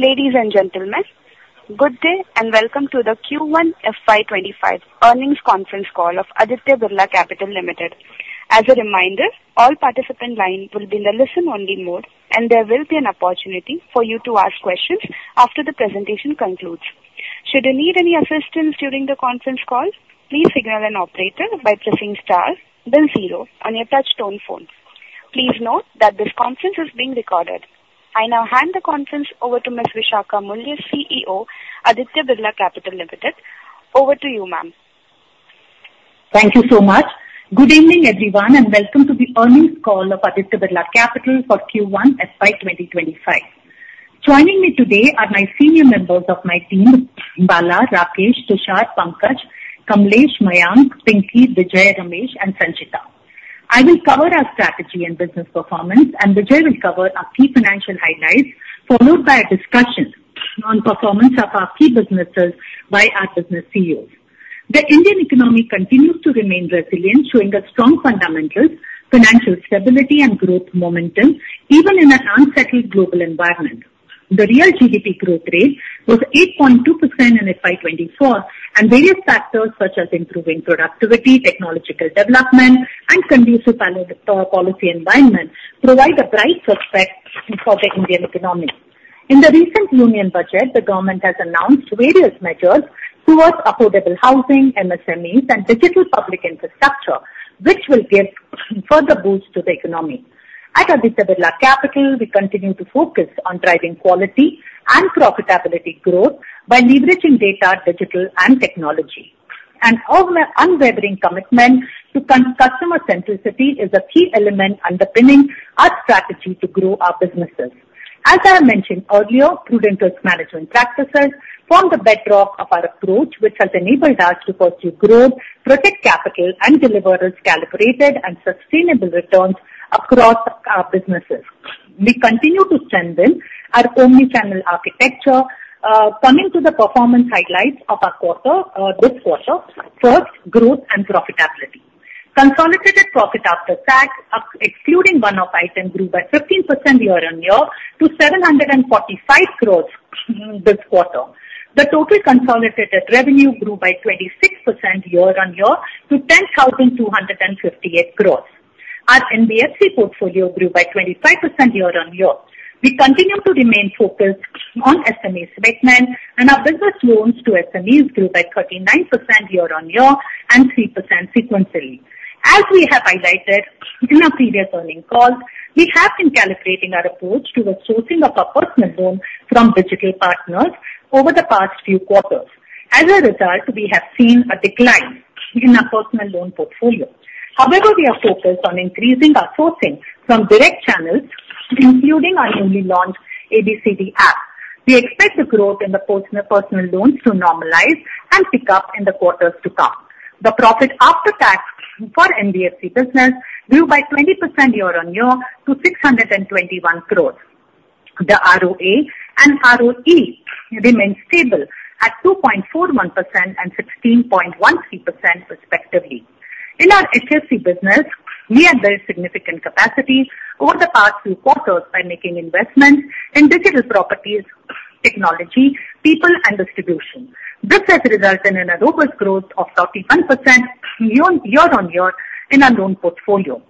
Ladies and gentlemen, good day and welcome to the Q1 FY25 Earnings Conference Call of Aditya Birla Capital Limited. As a reminder, all participant lines will be in the listen-only mode, and there will be an opportunity for you to ask questions after the presentation concludes. Should you need any assistance during the conference call, please signal an operator by pressing star then zero on your touchtone phone. Please note that this conference is being recorded. I now hand the conference over to Ms. Vishakha Mulye, CEO, Aditya Birla Capital Limited. Over to you, ma'am. Thank you so much. Good evening, everyone, and welcome to the Earnings Call of Aditya Birla Capital for Q1 FY 2025. Joining me today are my senior members of my team, Bala, Rakesh, Tushar, Pankaj, Kamlesh, Mayank, Pinky, Vijay, Ramesh, and Sanchita. I will cover our strategy and business performance, and Vijay will cover our key financial highlights, followed by a discussion on performance of our key businesses by our business CEOs. The Indian economy continues to remain resilient, showing a strong fundamentals, financial stability and growth momentum even in an unsettled global environment. The real GDP growth rate was 8.2% in FY 2024, and various factors such as improving productivity, technological development, and conducive policy environment provide a bright prospect for the Indian economy. In the recent union budget, the government has announced various measures towards affordable housing, MSMEs, and digital public infrastructure, which will give further boost to the economy. At Aditya Birla Capital, we continue to focus on driving quality and profitability growth by leveraging data, digital and technology. Our unwavering commitment to customer centricity is a key element underpinning our strategy to grow our businesses. As I mentioned earlier, prudent risk management practices form the bedrock of our approach, which has enabled us to pursue growth, protect capital and deliver risk-calibrated and sustainable returns across our businesses. We continue to strengthen our omni-channel architecture. Coming to the performance highlights of our quarter, this quarter. First, growth and profitability. Consolidated profit after tax, excluding one-off item, grew by 15% year-on-year to 745 crore this quarter. The total consolidated revenue grew by 26% year-on-year to 10,258 crore. Our NBFC portfolio grew by 25% year-on-year. We continue to remain focused on SME segment, and our business loans to SMEs grew by 39% year-on-year and 3% sequentially. As we have highlighted in our previous earnings calls, we have been calibrating our approach towards sourcing of our personal loan from digital partners over the past few quarters. As a result, we have seen a decline in our personal loan portfolio. However, we are focused on increasing our sourcing from direct channels, including our newly launched ABCD app. We expect the growth in the personal, personal loans to normalize and pick up in the quarters to come. The profit after tax for NBFC business grew by 20% year-on-year to 621 crore. The ROA and ROE remains stable at 2.41% and 16.13% respectively. In our HFC business, we have built significant capacity over the past few quarters by making investments in digital properties, technology, people, and distribution. This has resulted in a robust growth of 31% year-on-year in our loan portfolio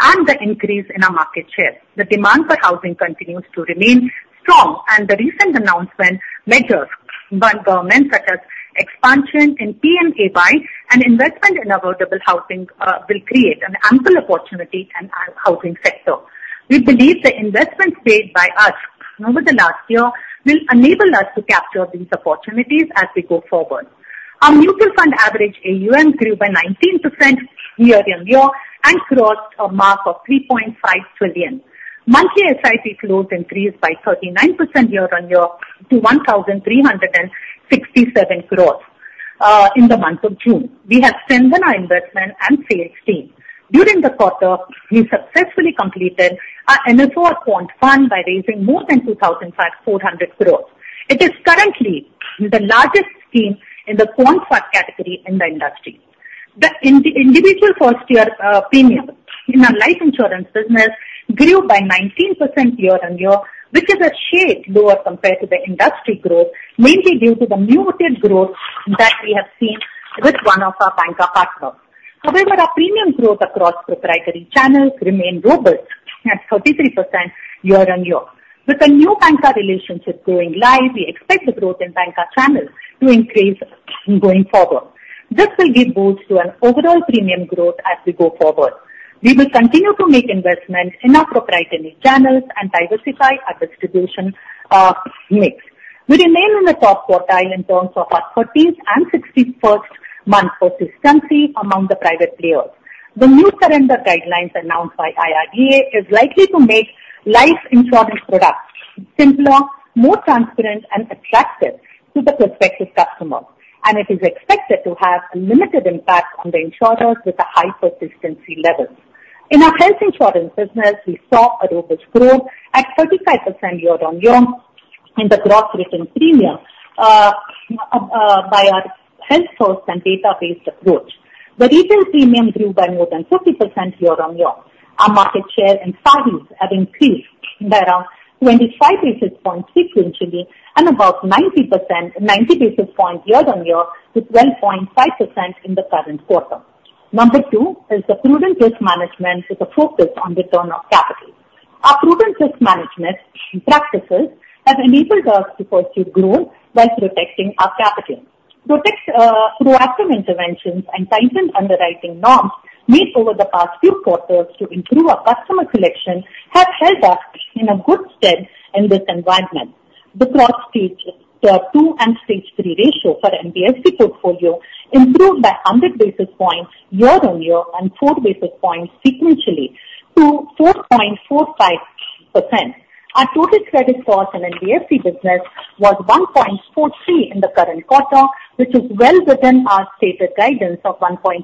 and the increase in our market share. The demand for housing continues to remain strong, and the recent announcement measures by government, such as expansion in PMAY and investment in affordable housing, will create an ample opportunity in our housing sector. We believe the investments made by us over the last year will enable us to capture these opportunities as we go forward. Our mutual fund average AUM grew by 19% year-on-year and crossed a mark of 3.5 trillion. Monthly SIP flows increased by 39% year-on-year to 1,367 crore in the month of June. We have strengthened our investment and sales team. During the quarter, we successfully completed our NFO Quant Fund by raising more than 2,400 crore. It is currently the largest scheme in the Quant Fund category in the industry. The individual first year premium in our life insurance business grew by 19% year-on-year, which is a shade lower compared to the industry growth, mainly due to the muted growth that we have seen with one of our banca partners. However, our premium growth across proprietary channels remained robust at 33% year-on-year. With a new banca relationship going live, we expect the growth in banca channels to increase going forward. This will give boost to our overall premium growth as we go forward. We will continue to make investments in our proprietary channels and diversify our distribution mix. We remain in the top quartile in terms of our 13th and 61st month persistency among the private players. The new surrender guidelines announced by IRDAI are likely to make life insurance products simpler, more transparent and attractive to the prospective customers, and it is expected to have a limited impact on the insurers with the high persistency levels. In our health insurance business, we saw a robust growth at 35% year-on-year in the gross written premium by our Health First and data-based approach. The retail premium grew by more than 50% year-on-year. Our market share in the private has increased by around 25 basis points sequentially, and about 90 basis points year-on-year, to 12.5% in the current quarter. Number two is the prudent risk management with a focus on return of capital. Our prudent risk management practices have enabled us to pursue growth while protecting our capital. Proactive interventions and tightened underwriting norms made over the past few quarters to improve our customer collection have held us in good stead in this environment. The Gross Stage 2 and Stage 3 ratio for NBFC portfolio improved by 100 basis points year-on-year and 4 basis points sequentially to 4.45%. Our total credit cost in NBFC business was 1.43% in the current quarter, which is well within our stated guidance of 1.5%.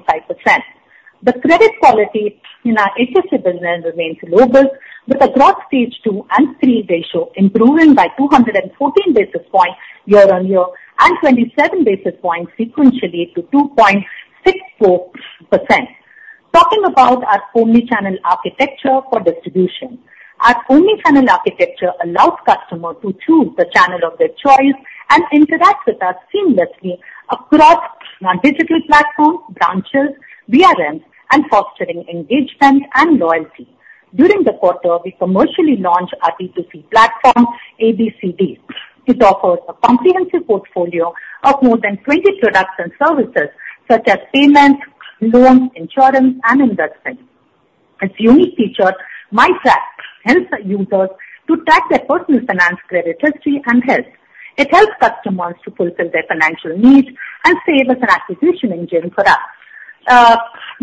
The credit quality in our HF business remains robust, with the gross Stage two and three ratio improving by 214 basis points year-on-year and 27 basis points sequentially to 2.64%. Talking about our omni-channel architecture for distribution. Our omni-channel architecture allows customers to choose the channel of their choice and interact with us seamlessly across our digital platforms, branches, BRMs, and fostering engagement and loyalty. During the quarter, we commercially launched our B2C platform, ABCD, which offers a comprehensive portfolio of more than 20 products and services such as payments, loans, insurance, and investments. Its unique feature, MyTrack, helps users to track their personal finance, credit history, and health. It helps customers to fulfill their financial needs and serves as an acquisition engine for us.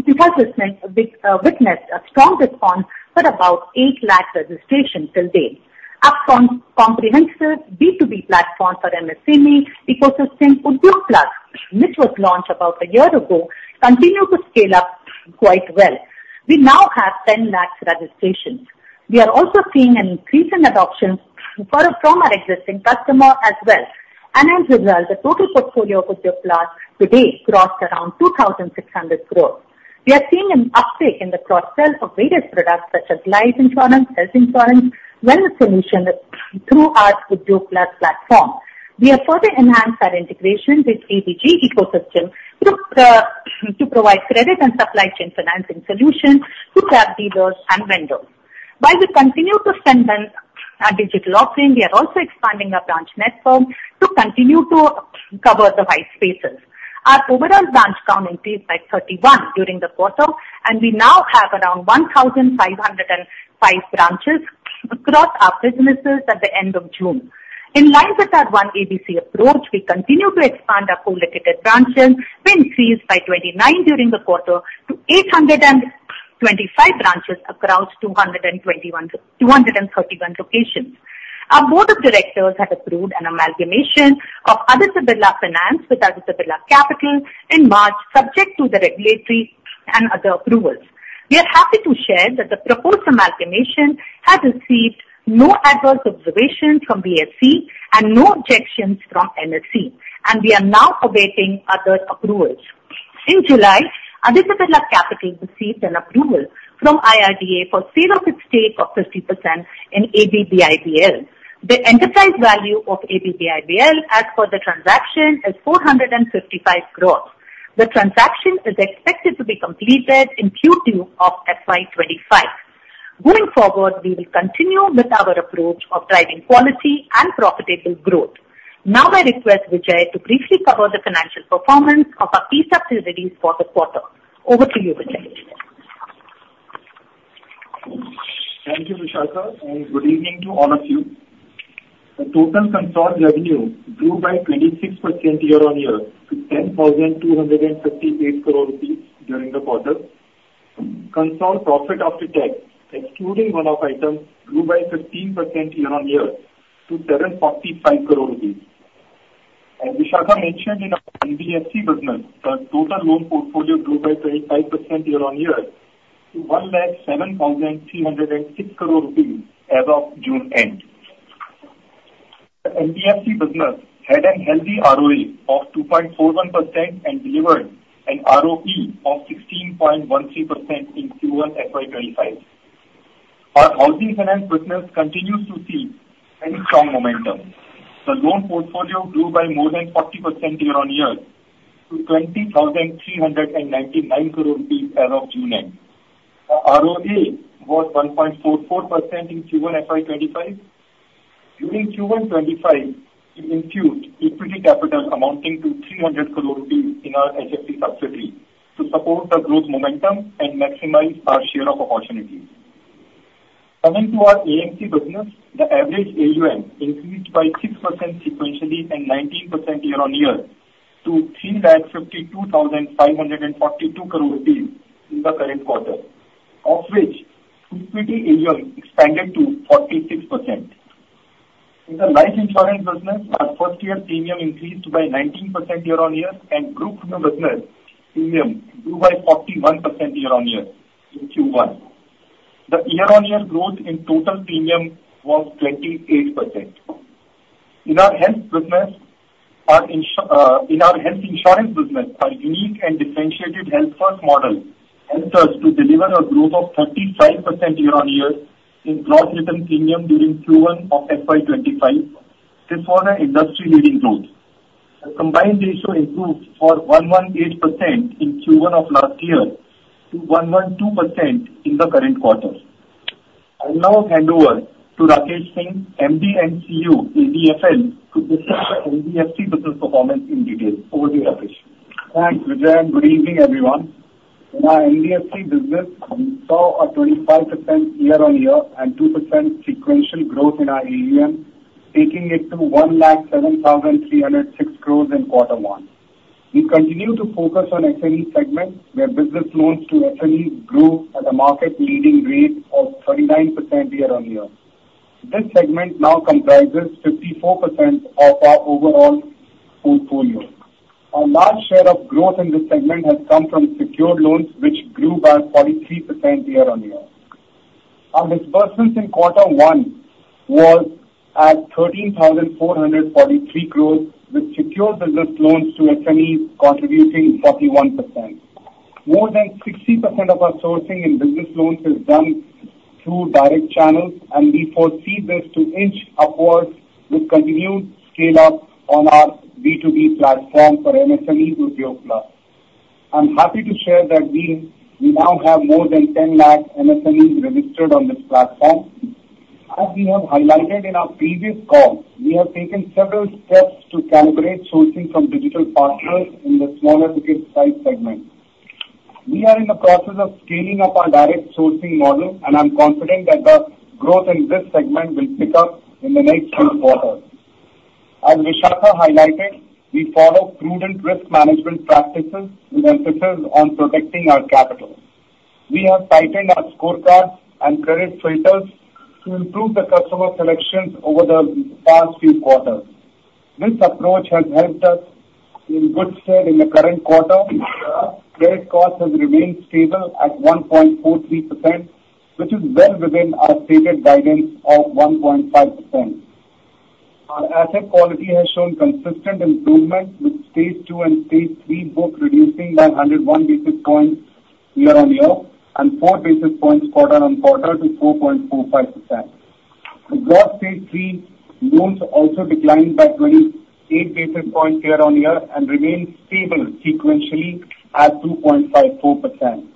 We witnessed a strong response with about 800,000 registrations till date. Our comprehensive B2B platform for MSME ecosystem, Udyog Plus, which was launched about a year ago, continue to scale up quite well. We now have 10 lakh registrations. We are also seeing an increase in adoption for, from our existing customer as well, and as a result, the total portfolio of Udyog Plus today crossed around 2,600 crore. We are seeing an uptake in the cross-sell of various products such as life insurance, health insurance, wellness solutions through our Udyog Plus platform. We have further enhanced our integration with ABG ecosystem to provide credit and supply chain financing solutions to cab dealers and vendors. While we continue to strengthen our digital offering, we are also expanding our branch network to continue to cover the white spaces. Our overall branch count increased by 31 during the quarter, and we now have around 1,505 branches across our businesses at the end of June. In line with our one ABC approach, we continue to expand our co-located branches, which increased by 29 during the quarter to 825 branches across two hundred and twenty-one, 231 locations. Our board of directors have approved an amalgamation of Aditya Birla Finance with Aditya Birla Capital in March, subject to the regulatory and other approvals. We are happy to share that the proposed amalgamation has received no adverse observations from BSE and no objections from NSE, and we are now awaiting other approvals. In July, Aditya Birla Capital received an approval from IRDAI for sale of its stake of 50% in ABIBL. The enterprise value of ABIBL, as per the transaction, is 455 crore. The transaction is expected to be completed in Q2 of FY 2025. Going forward, we will continue with our approach of driving quality and profitable growth. Now I request Vijay to briefly cover the financial performance of our key subsidiaries for the quarter. Over to you, Vijay. Thank you, Vishakha, and good evening to all of you. The total consolidated revenue grew by 26% year-on-year to INR 10,238 crore during the quarter. Consolidated profit after tax, excluding one-off items, grew by 15% year-on-year to 745 crore rupees. As Vishakha mentioned, in our NBFC business, the total loan portfolio grew by 25% year-on-year to INR 107,306 crore as of June end. The NBFC business had a healthy ROE of 2.41% and delivered an ROE of 16.13% in Q1 FY 2025. Our housing finance business continues to see very strong momentum. The loan portfolio grew by more than 40% year-on-year to 20,399 crore as of June end. Our ROA was 1.44% in Q1 FY 2025. During Q1 2025, we infused equity capital amounting to 300 crore rupees in our HFC subsidiary to support the growth momentum and maximize our share of opportunities. Coming to our AMC business, the average AUM increased by 6% sequentially and 19% year-on-year to 352,542 crore rupees in the current quarter, of which, equity AUM expanded to 46%. In the life insurance business, our first year premium increased by 19% year-on-year, and group business premium grew by 41% year-on-year in Q1. The year-on-year growth in total premium was 28%.... In our health business, in our health insurance business, our unique and differentiated health first model helps us to deliver a growth of 35% year-on-year in gross written premium during Q1 of FY 2025. This is an industry-leading growth. The combined ratio improved from 118% in Q1 of last year to 112% in the current quarter. I'll now hand over to Rakesh Singh, MD & CEO, ABFL, to discuss the NBFC business performance in detail. Over to you, Rakesh. Thanks, Vijay, and good evening, everyone. In our NBFC business, we saw a 25% year-on-year and 2% sequential growth in our AUM, taking it to 1,07,306 crore in quarter 1. We continue to focus on SME segment, where business loans to SMEs grew at a market leading rate of 39% year-on-year. This segment now comprises 54% of our overall portfolio. A large share of growth in this segment has come from secured loans, which grew by 43% year-on-year. Our disbursements in quarter one was at 13,443 crore, with secured business loans to SMEs contributing 41%. More than 60% of our sourcing in business loans is done through direct channels, and we foresee this to inch upwards with continued scale-up on our B2B platform for MSME Udyog Plus. I'm happy to share that we now have more than 10 lakh MSMEs registered on this platform. As we have highlighted in our previous calls, we have taken several steps to calibrate sourcing from digital partners in the smaller ticket size segment. We are in the process of scaling up our direct sourcing model, and I'm confident that the growth in this segment will pick up in the next few quarters. As Vishakha highlighted, we follow prudent risk management practices with emphasis on protecting our capital. We have tightened our scorecards and credit filters to improve the customer selections over the past few quarters. This approach has helped us in good stead in the current quarter. Our credit cost has remained stable at 1.43%, which is well within our stated guidance of 1.5%. Our asset quality has shown consistent improvement, with stage two and stage three books reducing by 101 basis points year-on-year and 4 basis points quarter-on-quarter to 4.45%. The gross stage three loans also declined by 28 basis points year-on-year and remain stable sequentially at 2.54%.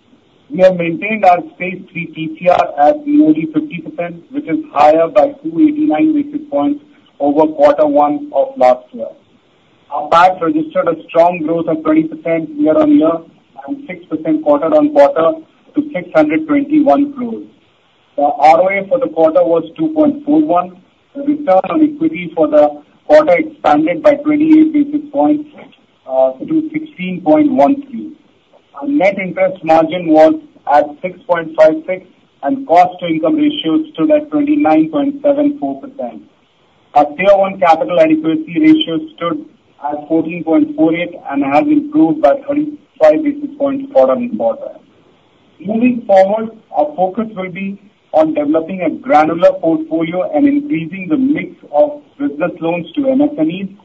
We have maintained our stage three PCR at merely 50%, which is higher by 289 basis points over quarter one of last year. Our banks registered a strong growth of 20% year-on-year and 6% quarter-on-quarter to 621 crores. The ROA for the quarter was 2.41. The return on equity for the quarter expanded by 28 basis points to 16.13. Our net interest margin was at 6.56, and cost to income ratio stood at 29.74%. Our tier one capital adequacy ratio stood at 14.48 and has improved by 35 basis points quarter-on-quarter. Moving forward, our focus will be on developing a granular portfolio and increasing the mix of business loans to MSMEs.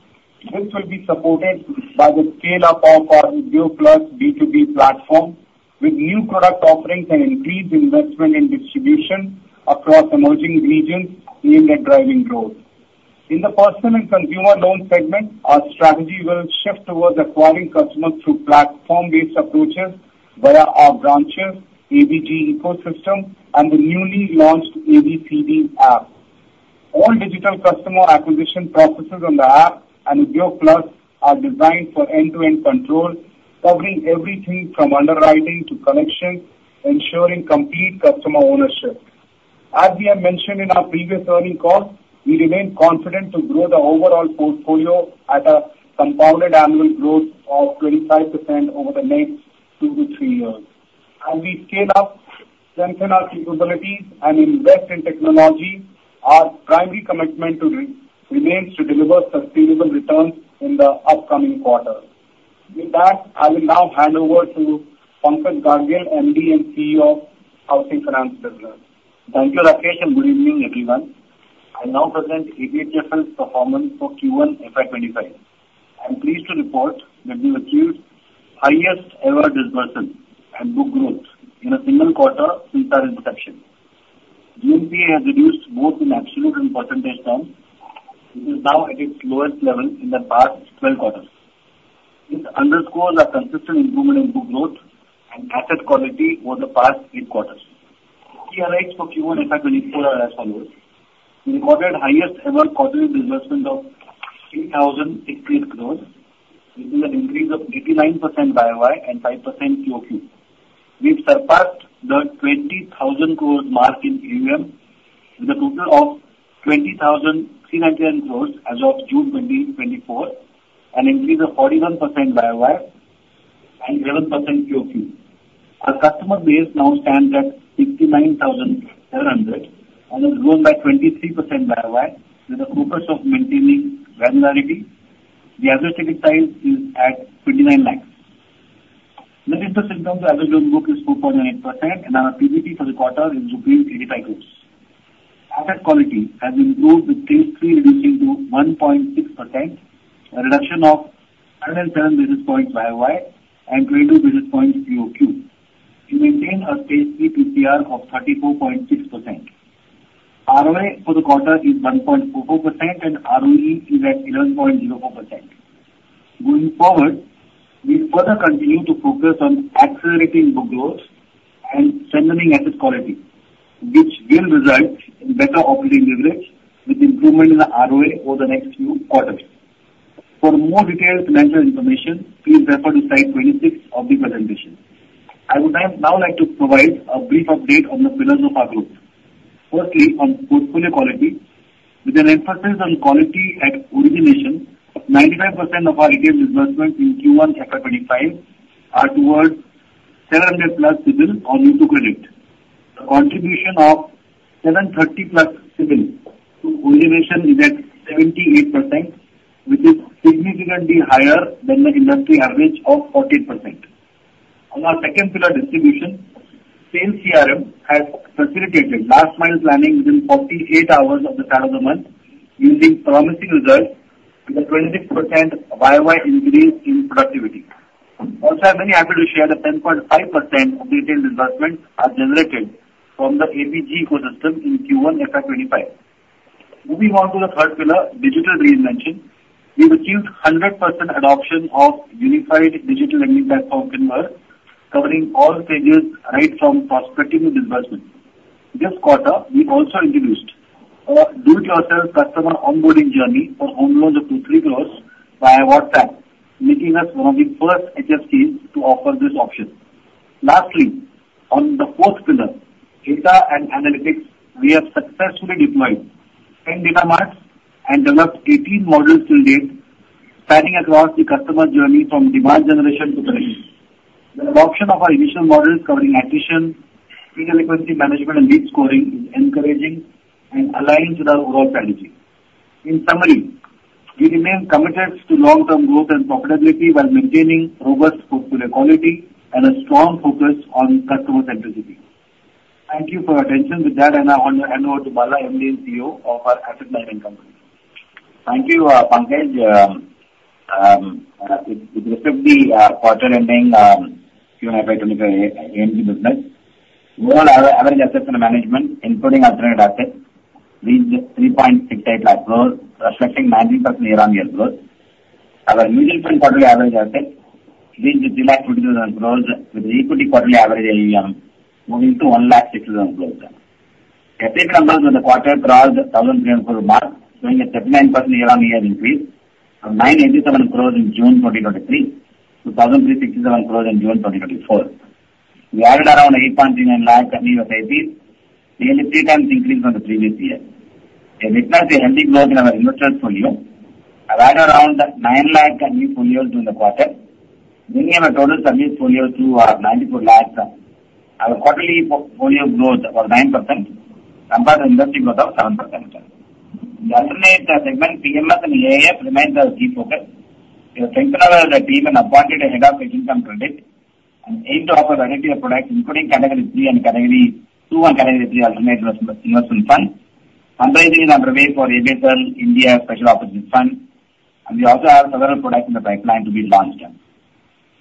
This will be supported by the scale-up of our Udyog Plus B2B platform, with new product offerings and increased investment in distribution across emerging regions being the driving growth. In the personal and consumer loan segment, our strategy will shift towards acquiring customers through platform-based approaches via our branches, ABG ecosystem, and the newly launched ABCD app. All digital customer acquisition processes on the app and Udyog Plus are designed for end-to-end control, covering everything from underwriting to collection, ensuring complete customer ownership. As we have mentioned in our previous earnings calls, we remain confident to grow the overall portfolio at a compounded annual growth of 25% over the next 2-3 years. As we scale up, strengthen our capabilities, and invest in technology, our primary commitment remains to deliver sustainable returns in the upcoming quarter. With that, I will now hand over to Pankaj Gadgil, MD and CEO of Housing Finance Business. Thank you, Rakesh, and good evening, everyone. I now present ABHFL's performance for Q1 FY 2025. I'm pleased to report that we've achieved highest ever disbursement and book growth in a single quarter since our introduction. GNPA has reduced both in absolute and percentage terms. It is now at its lowest level in the past twelve quarters. This underscores a consistent improvement in book growth and asset quality over the past three quarters. The highlights for Q1 FY 2024 are as follows: We recorded highest ever quarterly disbursement of INR 3,016 crores, which is an increase of 89% YOY and 5% QOQ. We've surpassed the twenty thousand crores mark in AUM, with a total of 20,399 crores as of June 2024, an increase of 41% YOY and 11% QOQ. Our customer base now stands at 69,700 and has grown by 23% YOY, with a focus of maintaining granularity. The average ticket size is at 29 lakhs. Interest income to average on book is 4.8%, and our PBT for the quarter is 35 crore. Asset quality has improved, with stage three reducing to 1.6%, a reduction of 107 basis points year-on-year, and 22 basis points QOQ. We maintain a stage three PCR of 34.6%. ROA for the quarter is 1.44%, and ROE is at 11.04%. Going forward, we further continue to focus on accelerating book growth and strengthening asset quality, which will result in better operating leverage with improvement in the ROA over the next few quarters. For more detailed financial information, please refer to slide 26 of the presentation. I would like to provide a brief update on the pillars of our group. Firstly, on portfolio quality, with an emphasis on quality at origination, 99% of our retail disbursements in Q1 FY 2025 are towards 700+ CIBIL or above credit. The contribution of 730+ CIBIL to origination is at 78%, which is significantly higher than the industry average of 14%. On our second pillar, distribution, sales CRM has facilitated last mile signing within 48 hours of the start of the month, using promising results with a 26% year-on-year increase in productivity. Also, I'm very happy to share that 10.5% of retail disbursements are generated from the ABG ecosystem in Q1 FY 2025. Moving on to the third pillar, digital reinvention. We've achieved 100% adoption of unified digital lending platform, FinnOne, covering all stages right from prospecting to disbursement. This quarter, we also introduced a do-it-yourself customer onboarding journey for home loans up to 3 crore via WhatsApp, making us one of the first HFIs to offer this option. Lastly, on the fourth pillar, data and analytics, we have successfully deployed 10 data marts and developed 18 modules till date, spanning across the customer journey from demand generation to collection. The adoption of our initial models covering acquisition, fee delinquency management, and lead scoring is encouraging and aligned with our overall strategy. In summary, we remain committed to long-term growth and profitability while maintaining robust portfolio quality and a strong focus on customer centricity. Thank you for your attention. With that, I now hand over to Bala, MD and CEO of our asset management company. Thank you, Pankaj. With respect to the quarter ending Q1 FY25 ABC business, overall average assets under management, including alternate assets, reached INR 368,000 crore, reflecting 19% year-on-year growth. Our managed quarterly average assets reached 320,000 crore, with equity quarterly average AUM moving to 106,000 crore. AUM numbers in the quarter crossed 1,300 mark, showing a 39% year-on-year increase from 987 crore in June 2023 to 1,367 crore in June 2024. We added around 8.39 lakh new SIPs, nearly three times increase from the previous year. We have witnessed a healthy growth in our mutual portfolio and added around 9 lakh new portfolios in the quarter, bringing our total service portfolio to 94 lakh. Our quarterly portfolio growth was 9% compared to industry growth of 7%. In the alternate segment, PMS and AIF remains our key focus. We have strengthened our team and appointed a head of fixed income credit and aim to offer a variety of products, including Category three and Category two and Category three alternative investment, investment funds. Currently in our review for ABSL India Special Opportunities Fund, and we also have several products in the pipeline to be launched.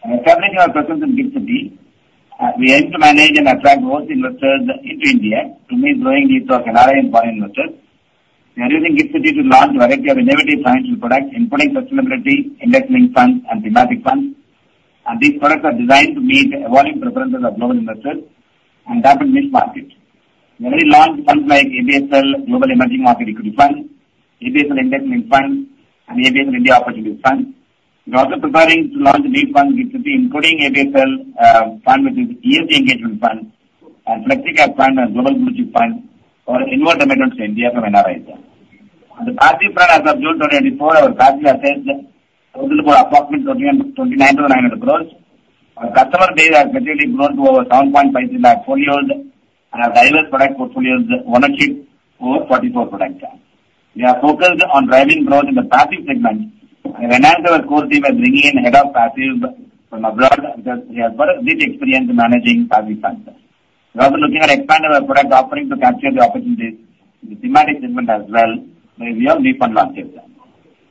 Establishing our presence in GIFT City, we aim to manage and attract both investors into India, to meet growing needs of foreign investors. We are using GIFT City to launch a variety of innovative financial products, including sustainability, index linked funds, and thematic funds. And these products are designed to meet the evolving preferences of global investors and tap in this market. We already launched funds like ABSL Global Emerging Market Equity Fund, ABSL Index Linked Fund, and ABSL India Opportunity Fund. We're also preparing to launch these funds, which will be including ABSL, fund, which is ESG Engagement Fund, and flexible fund, and global fund for inward remittance to India from NRI. On the passive front, as of June 2024, our passive assets total to approximately INR 29-900 crores. Our customer base has particularly grown to over 7.53 lakh portfolios, and our diverse product portfolios ownership over 44 products. We are focused on driving growth in the passive segment and enhance our core team by bringing in head of passive from abroad, because we have a rich experience in managing passive funds. We're also looking at expanding our product offering to capture the opportunities in the thematic segment as well, where we have deep fund launches.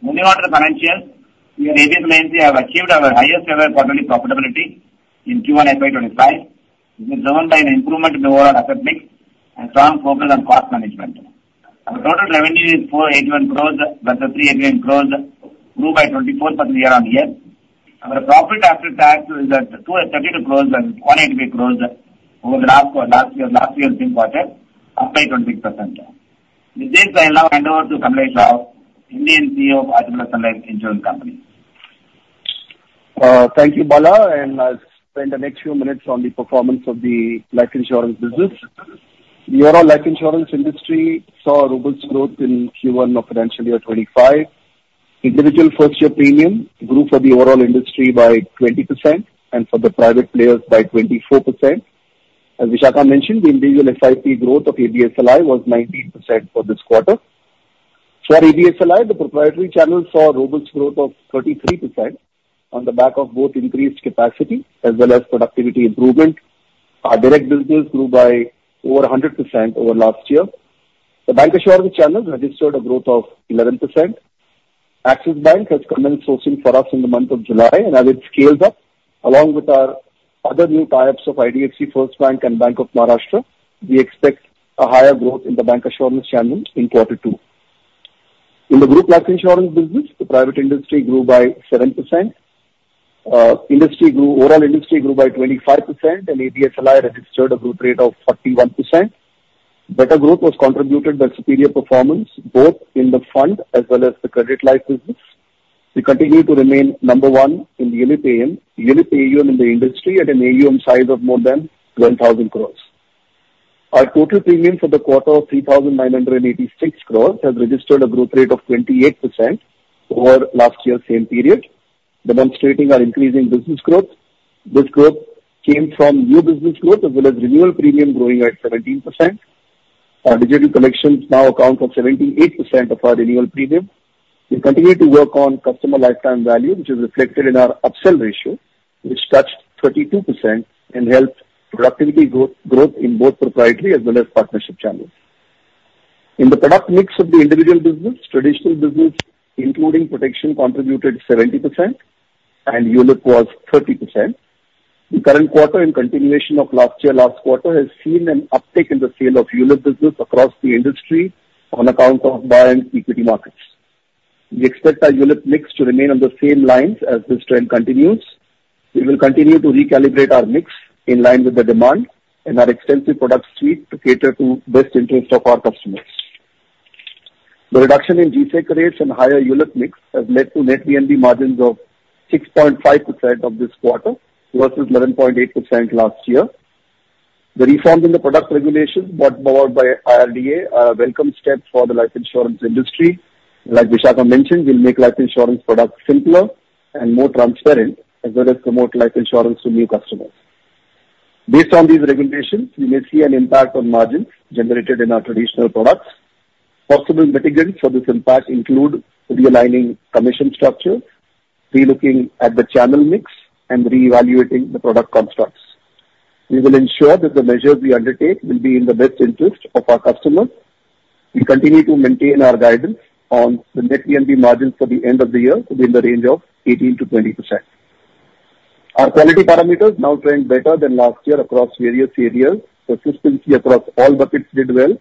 Moving on to the financials, we at ABSL AMC have achieved our highest ever quarterly profitability in Q1 FY25. It is driven by an improvement in the overall asset mix and strong focus on cost management. Our total revenue is 481 crores versus 381 crores, grew by 24% year-on-year. Our profit after tax is at 232 crores and 183 crores over the last quarter-- last year, last year's same quarter, up by 26%. With this, I now hand over to Kamlesh Rao, MD and CEO of Aditya Birla Sun Life Insurance Company. Thank you, Bala, and I'll spend the next few minutes on the performance of the life insurance business. The overall life insurance industry saw robust growth in Q1 of financial year 2025. Individual first year premium grew for the overall industry by 20%, and for the private players by 24%. As Vishakha mentioned, the individual SIP growth of ABSLI was 19% for this quarter.... So for ABSLI, the proprietary channel saw robust growth of 33% on the back of both increased capacity as well as productivity improvement. Our direct business grew by over 100% over last year. The bancassurance channels registered a growth of 11%. Axis Bank has commenced sourcing for us in the month of July, and as it scales up, along with our other new tie-ups of IDFC First Bank and Bank of Maharashtra, we expect a higher growth in the bancassurance channels in quarter two. In the group life insurance business, the private industry grew by 7%. Overall industry grew by 25%, and ABSLI registered a growth rate of 41%. Better growth was contributed by superior performance, both in the fund as well as the credit life business. We continue to remain number one in the ULIP AUM, ULIP AUM in the industry at an AUM size of more than 10,000 crore. Our total premium for the quarter of 3,986 crore has registered a growth rate of 28% over last year's same period, demonstrating our increasing business growth. This growth came from new business growth as well as renewal premium growing at 17%. Our digital collections now account for 78% of our renewal premium. We continue to work on customer lifetime value, which is reflected in our upsell ratio, which touched 32% and helped productivity growth in both proprietary as well as partnership channels. In the product mix of the individual business, traditional business, including protection, contributed 70% and ULIP was 30%. The current quarter, in continuation of last year last quarter, has seen an uptick in the sale of ULIP business across the industry on account of buoyant equity markets. We expect our ULIP mix to remain on the same lines as this trend continues. We will continue to recalibrate our mix in line with the demand and our extensive product suite to cater to best interest of our customers. The reduction in G-Sec rates and higher ULIP mix has led to net VNB margins of 6.5% of this quarter versus 11.8% last year. The reforms in the product regulation brought about by IRDAI are a welcome step for the life insurance industry. Like Vishakha mentioned, will make life insurance products simpler and more transparent, as well as promote life insurance to new customers. Based on these regulations, we may see an impact on margins generated in our traditional products. Possible mitigants for this impact include realigning commission structure, relooking at the channel mix, and reevaluating the product constructs. We will ensure that the measures we undertake will be in the best interest of our customers. We continue to maintain our guidance on the net VNB margins for the end of the year to be in the range of 18%-20%. Our quality parameters now trend better than last year across various areas. Persistency across all buckets did well,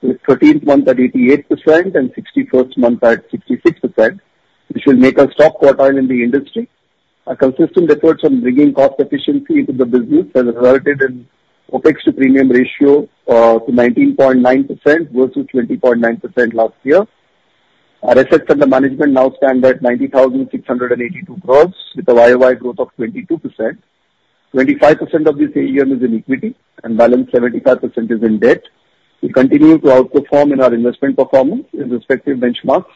with 13th month at 88% and 61st month at 66%, which will make us top quartile in the industry. Our consistent efforts on bringing cost efficiency into the business has resulted in OpEx to premium ratio to 19.9% versus 20.9% last year. Our assets under management now stand at 90,682 crore, with a YOY growth of 22%. 25% of this AUM is in equity and balance 75% is in debt. We continue to outperform in our investment performance in respective benchmarks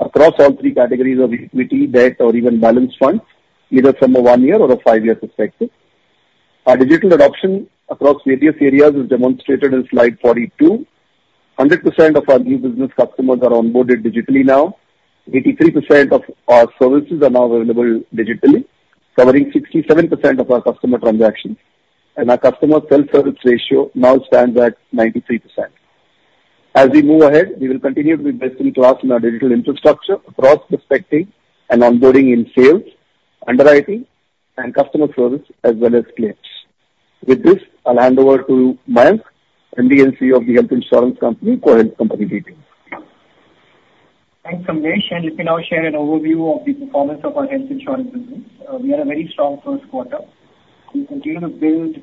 across all three categories of equity, debt, or even balance funds, either from a 1-year or a 5-year perspective. Our digital adoption across various areas is demonstrated in slide 42. 100% of our new business customers are onboarded digitally now. 83% of our services are now available digitally, covering 67% of our customer transactions, and our customer self-service ratio now stands at 93%. As we move ahead, we will continue to invest in class in our digital infrastructure across prospecting and onboarding in sales, underwriting, and customer service, as well as claims. With this, I'll hand over to Mayank, MD&CEO of the Health Insurance Company for health company details. Thanks, Kamlesh, and let me now share an overview of the performance of our health insurance business. We had a very strong first quarter. We continue to build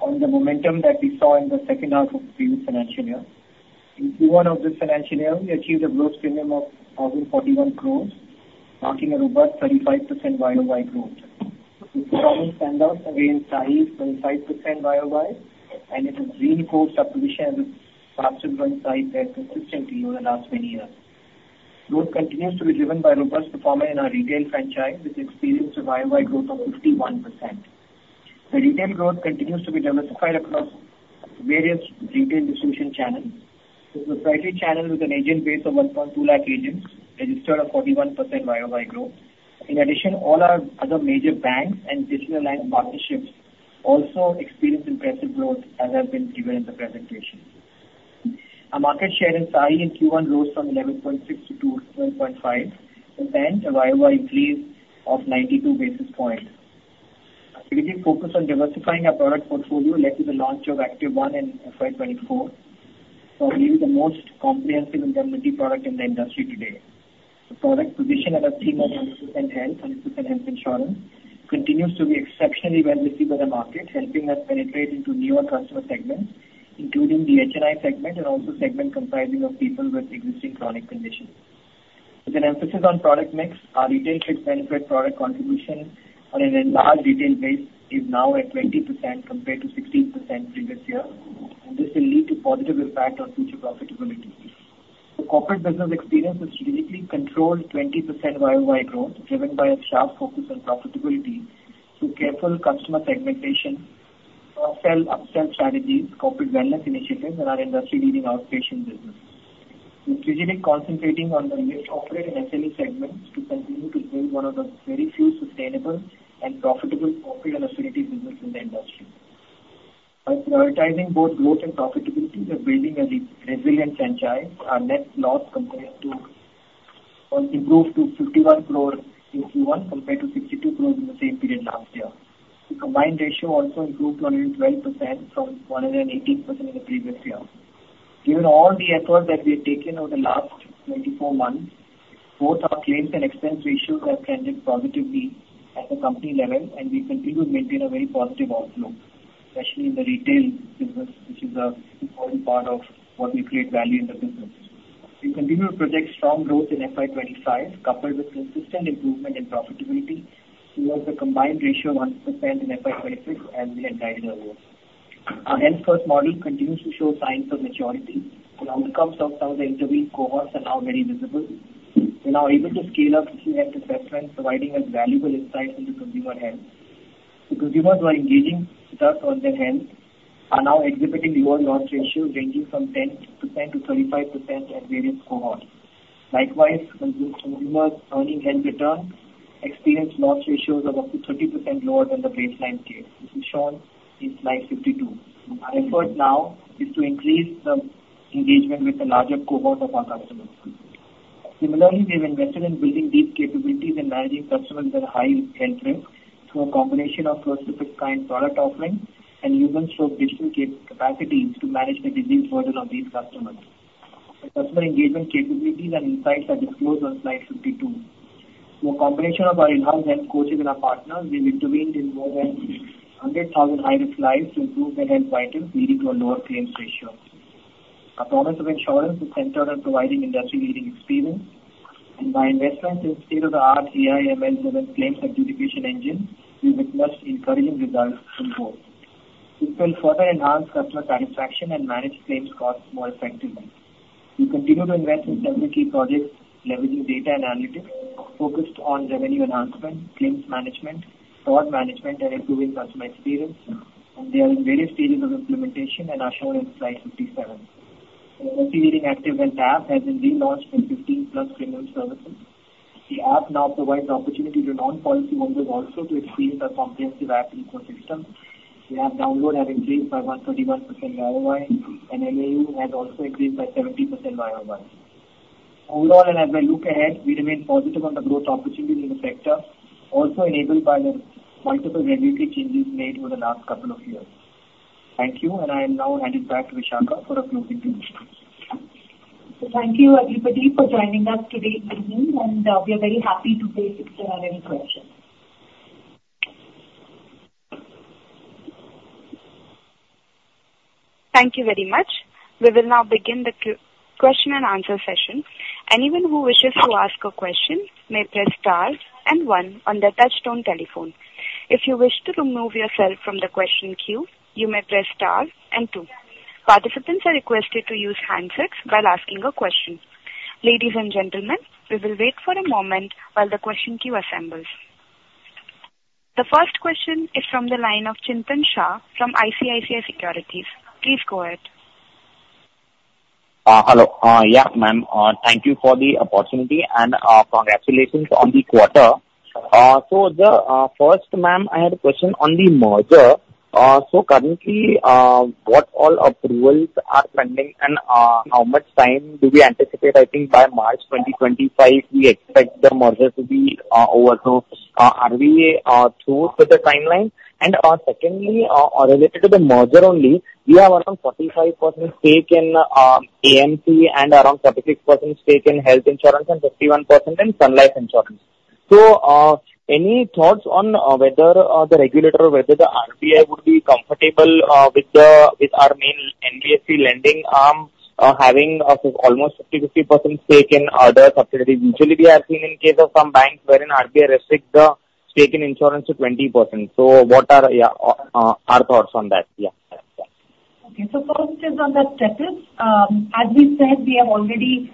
on the momentum that we saw in the second half of the previous financial year. In Q1 of this financial year, we achieved a gross premium of 1,041 crore, marking a robust 35% YOY growth. The strong standout again, SAHI, 25% YOY, and it is green core submission has passed inside that consistently over the last many years. Growth continues to be driven by robust performance in our retail franchise, which experienced a YOY growth of 51%. The retail growth continues to be diversified across various retail distribution channels. The proprietary channel, with an agent base of 1.2 lakh agents, registered a 41% YOY growth. In addition, all our other major banks and digital line partnerships also experienced impressive growth, as has been given in the presentation. Our market share in SI in Q1 rose from 11.6% to 12.5%, a year-over-year increase of 92 basis points. Our strategic focus on diversifying our product portfolio led to the launch of Activ One in FY 2024, probably the most comprehensive indemnity product in the industry today. The product position as a theme of 100% health and 100% health insurance continues to be exceptionally well received by the market, helping us penetrate into newer customer segments, including the HNI segment and also segment comprising of people with existing chronic conditions. With an emphasis on product mix, our retail fixed benefit product contribution on an enlarged retail base is now at 20% compared to 16% previous year. This will lead to positive impact on future profitability. The corporate business experience has uniquely controlled 20% YOY growth, driven by a sharp focus on profitability through careful customer segmentation, sell upsell strategies, corporate wellness initiatives, and our industry-leading outpatient business. We're strategically concentrating on the mid, corporate, and SME segments to continue to build one of the very few sustainable and profitable corporate and affinity business in the industry. By prioritizing both growth and profitability, we are building a resilient franchise. Our net loss compared to, improved to 51 crore in Q1 compared to 62 crore in the same period last year. The combined ratio also improved 112% from 118% in the previous year. Given all the efforts that we have taken over the last 24 months, both our claims and expense ratios have trended positively at the company level, and we continue to maintain a very positive outlook, especially in the retail business, which is an important part of what we create value in the business. We continue to project strong growth in FY 25, coupled with consistent improvement in profitability towards the combined ratio of 1% in FY 26, as we had guided earlier. Our health first model continues to show signs of maturity, and outcomes of some of the intervening cohorts are now very visible. We're now able to scale up patient-centric preference, providing us valuable insights into consumer health. The consumers who are engaging with us on their health are now exhibiting lower loss ratios, ranging from 10% to 35% at various cohorts. Likewise, consumers earning health returns experience loss ratios of up to 30% lower than the baseline case, which is shown in slide 52. Our effort now is to increase the engagement with a larger cohort of our customers. Similarly, we've invested in building deep capabilities in managing customers with a high health risk through a combination of first-of-its-kind product offerings and even through digital capacities to manage the disease burden of these customers. The customer engagement capabilities and insights are disclosed on slide 52. Through a combination of our in-house health coaches and our partners, we intervened in more than 100,000 high-risk lives to improve their health vitals, leading to a lower claims ratio. Our promise of insurance is centered on providing industry-leading experience, and by investment in state-of-the-art AI, ML, driven claims adjudication engine, we've witnessed encouraging results so far. This will further enhance customer satisfaction and manage claims costs more effectively. We continue to invest in several key projects, leveraging data and analytics, focused on revenue enhancement, claims management, fraud management, and improving customer experience. They are in various stages of implementation and are shown in slide 57. Our multi-leading Activ Health app has been relaunched with 15+ premium services. The app now provides the opportunity to non-policyholders also to experience our comprehensive app ecosystem. The app downloads have increased by 131% year-over-year, and AUM has also increased by 70% year-over-year. Overall, and as we look ahead, we remain positive on the growth opportunities in the sector, also enabled by the multiple regulatory changes made over the last couple of years. Thank you, and I will now hand it back to Vishakha for a few conclusion. Thank you, everybody, for joining us today evening, and we are very happy to take if there are any questions. Thank you very much. We will now begin the question and answer session. Anyone who wishes to ask a question may press star and one on their touchtone telephone. If you wish to remove yourself from the question queue, you may press star and two. Participants are requested to use handsets while asking a question. Ladies and gentlemen, we will wait for a moment while the question queue assembles. The first question is from the line of Chintan Shah from ICICI Securities. Please go ahead. Hello. Yeah, ma'am, thank you for the opportunity and, congratulations on the quarter. So the first, ma'am, I had a question on the merger. So currently, what all approvals are pending, and, how much time do we anticipate? I think by March 2025, we expect the merger to be over. So, are we through with the timeline? And, secondly, related to the merger only, we have around 45% stake in AMC and around 36% stake in health insurance and 51% in Sun Life Insurance. So, any thoughts on, whether, the regulator or whether the RBI would be comfortable, with our main NBFC lending arm, having, almost 50/50% stake in other subsidiaries? Usually, we have seen in case of some banks wherein RBI restrict the stake in insurance to 20%. So what are our thoughts on that? Yeah. Okay. So first is on the status. As we said, we have already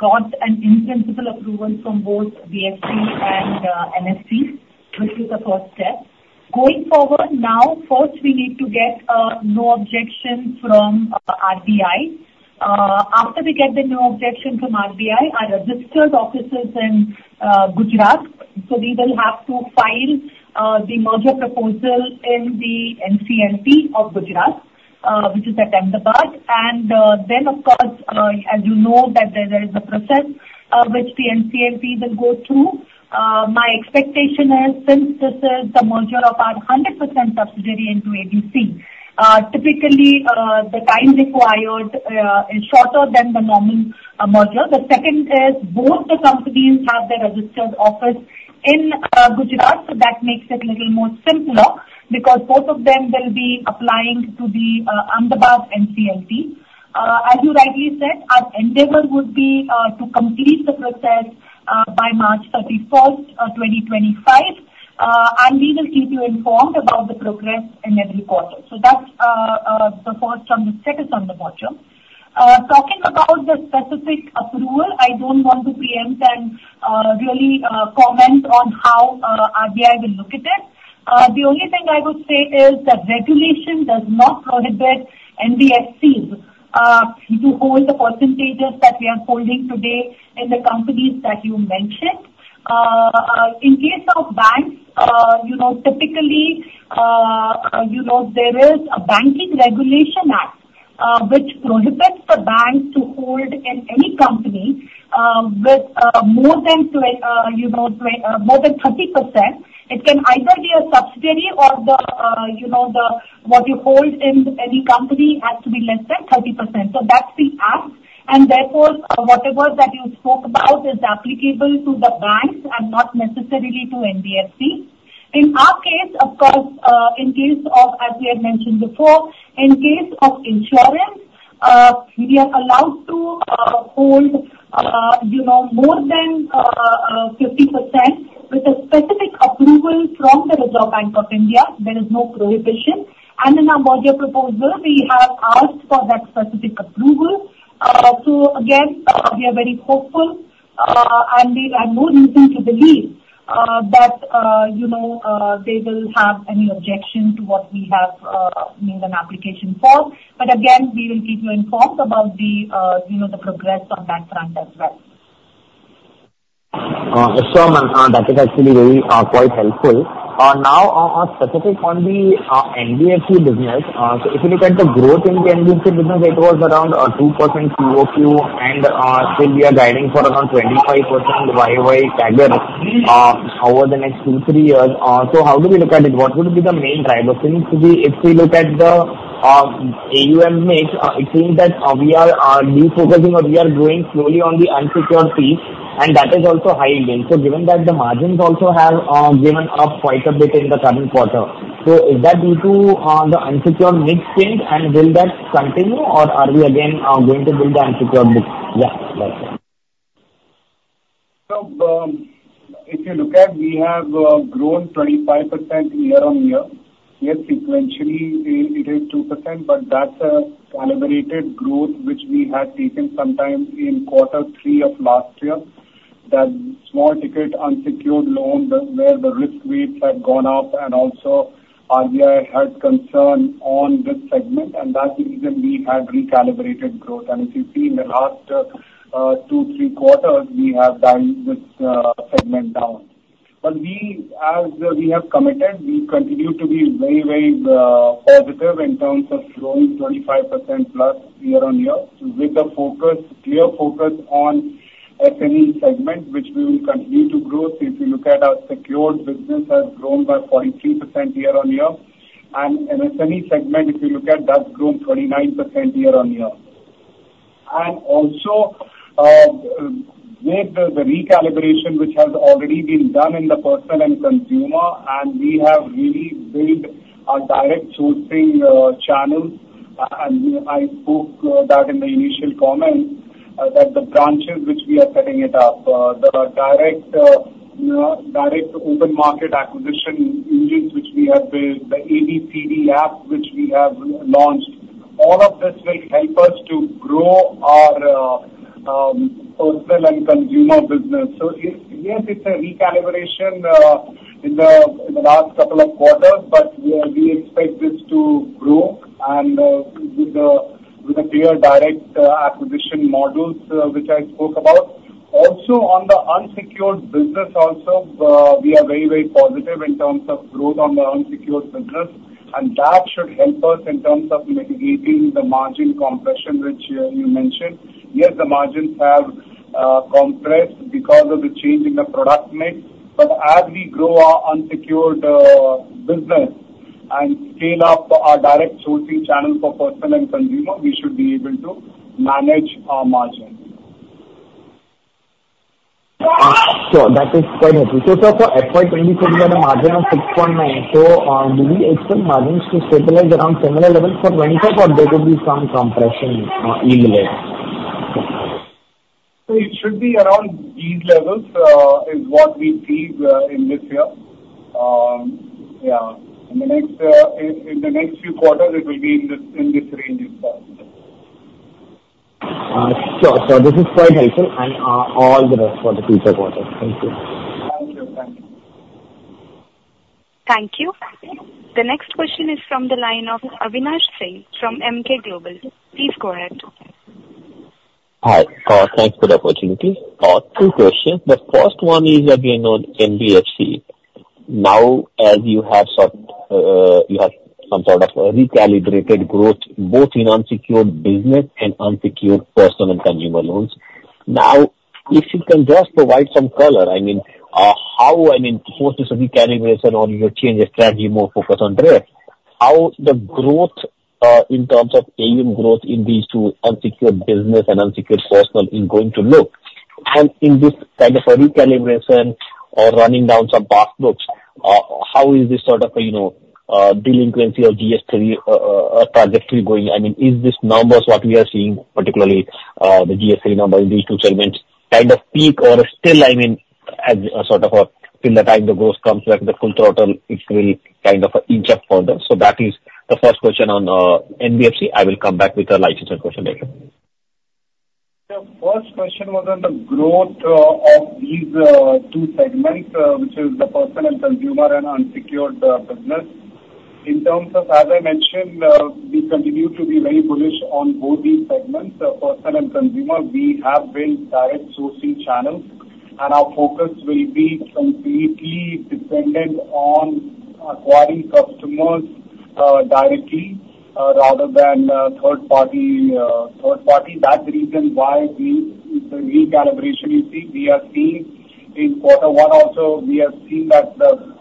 got an in-principle approval from both BSE and NSE, which is the first step. Going forward, now, first, we need to get no objection from RBI. After we get the no objection from RBI, our registered office is in Gujarat, so we will have to file the merger proposal in the NCLT of Gujarat, which is at Ahmedabad. And then, of course, as you know, that there is a process which the NCLT will go through. My expectation is, since this is the merger of our 100% subsidiary into ABC, typically the time required is shorter than the normal merger. The second is both the companies have their registered office in Gujarat, so that makes it little more simpler, because both of them will be applying to the Ahmedabad NCLT. As you rightly said, our endeavor would be to complete the process by March 31st, 2025. And we will keep you informed about the progress in every quarter. So that's the first on the status on the merger. Talking about the specific approval, I don't want to preempt and really comment on how RBI will look at it. The only thing I would say is that regulation does not prohibit NBFCs to hold the percentages that we are holding today in the companies that you mentioned. In case of banks, you know, typically, you know, there is a Banking Regulation Act, which prohibits the banks to hold in any company, with more than 30%. It can either be a subsidiary or the, you know, the, what you hold in any company has to be less than 30%. So that's the act, and therefore, whatever that you spoke about is applicable to the banks and not necessarily to NBFC. In our case, of course, in case of, as we had mentioned before, in case of insurance, we are allowed to hold, you know, more than 50% with a specific approval from the Reserve Bank of India. There is no prohibition. And in our board proposal, we have asked for that specific approval. So again, we are very hopeful, and we have no reason to believe that, you know, they will have any objection to what we have made an application for. But again, we will keep you informed about the, you know, the progress on that front as well. Sure, ma'am. That is actually very, quite helpful. Now, specifically on the NBFC business, so if you look at the growth in the NBFC business, it was around 2% QOQ, and still we are guiding for around 25% YY stagger over the next two, three years. So how do we look at it? What would be the main driver? Since we—if we look at the AUM mix, it seems that we are defocusing or we are growing slowly on the unsecured piece, and that is also high yield. So given that the margins also have given up quite a bit in the current quarter, so is that due to the unsecured mix change, and will that continue, or are we again going to build the unsecured mix? Yeah, that's it. So, if you look at, we have grown 25% year-on-year. Yes, sequentially, it is 2%, but that's a calibrated growth, which we had taken sometime in quarter three of last year. The small ticket unsecured loan, where the risk rates had gone up and also RBI had concern on this segment, and that's the reason we had recalibrated growth. And if you see in the last two, three quarters, we have dialed this segment down. But we, as we have committed, we continue to be very, very positive in terms of growing 25%+ year-on-year, with the focus, clear focus on SME segment, which we will continue to grow. So if you look at our secured business has grown by 43% year-on-year, and in SME segment, if you look at, that's grown 29% year-on-year. And also, with the recalibration, which has already been done in the personal and consumer, and we have really built our direct sourcing channels, and I spoke that in the initial comments, that the branches which we are setting it up, the direct open market acquisition units, which we have built, the ABCD app, which we have launched, all of this will help us to grow our personal and consumer business. So yes, it's a recalibration in the last couple of quarters, but we expect this to grow and with the clear direct acquisition models which I spoke about. Also, on the unsecured business also, we are very, very positive in terms of growth on the unsecured business, and that should help us in terms of mitigating the margin compression, which, you mentioned. Yes, the margins have, compressed because of the change in the product mix, but as we grow our unsecured, business and scale up our direct sourcing channel for personal and consumer, we should be able to manage our margins. So that is quite helpful. So, sir, for FY 2024, we had a margin of 6.9. So, do we expect margins to stabilize around similar levels for 2025, or there will be some compression in the mix? So it should be around these levels, is what we see, in this year. Yeah, in the next few quarters, it will be in this range as well. Sure. This is quite helpful, and all the best for the future quarters. Thank you. Thank you. Thank you. Thank you. The next question is from the line of Avinash Singh from Emkay Global. Please go ahead. Hi. Thanks for the opportunity. Two questions. The first one is again on NBFC. Now, as you have some sort of a recalibrated growth, both in unsecured business and unsecured personal and consumer loans. Now, if you can just provide some color, I mean, how, I mean, post this recalibration or your change of strategy, more focus on there, how the growth, in terms of AUM growth in these two, unsecured business and unsecured personal, is going to look? And in this kind of a recalibration or running down some past books, how is this sort of, you know, delinquency or GS3, trajectory going? I mean, is this numbers what we are seeing, particularly, the GS3 numbers in these two segments, kind of peak or still, I mean-... As a sort of a, till the time the growth comes back, the full throttle, it will kind of inch up further. So that is the first question on NBFC. I will come back with a licensed question later. The first question was on the growth of these two segments, which is the personal consumer and unsecured business. In terms of, as I mentioned, we continue to be very bullish on both these segments. So personal consumer, we have built direct sourcing channels, and our focus will be completely dependent on acquiring customers directly rather than third party, third party. That's the reason why we, the recalibration we see, we are seeing in quarter one also. We have seen that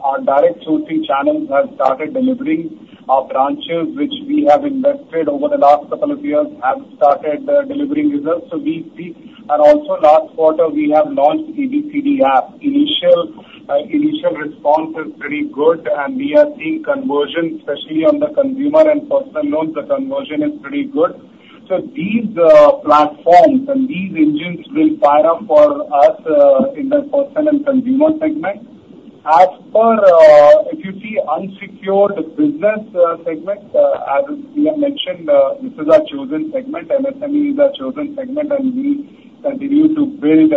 our direct sourcing channels have started delivering. Our branches, which we have invested over the last couple of years, have started delivering results. So we see. And also last quarter we have launched ABCD app. Initial, initial response is pretty good, and we are seeing conversion, especially on the consumer and personal loans, the conversion is pretty good. So these, platforms and these engines will fire up for us, in the personal and consumer segment. As per, if you see unsecured business, segment, as we have mentioned, this is our chosen segment. MSME is our chosen segment, and we continue to build,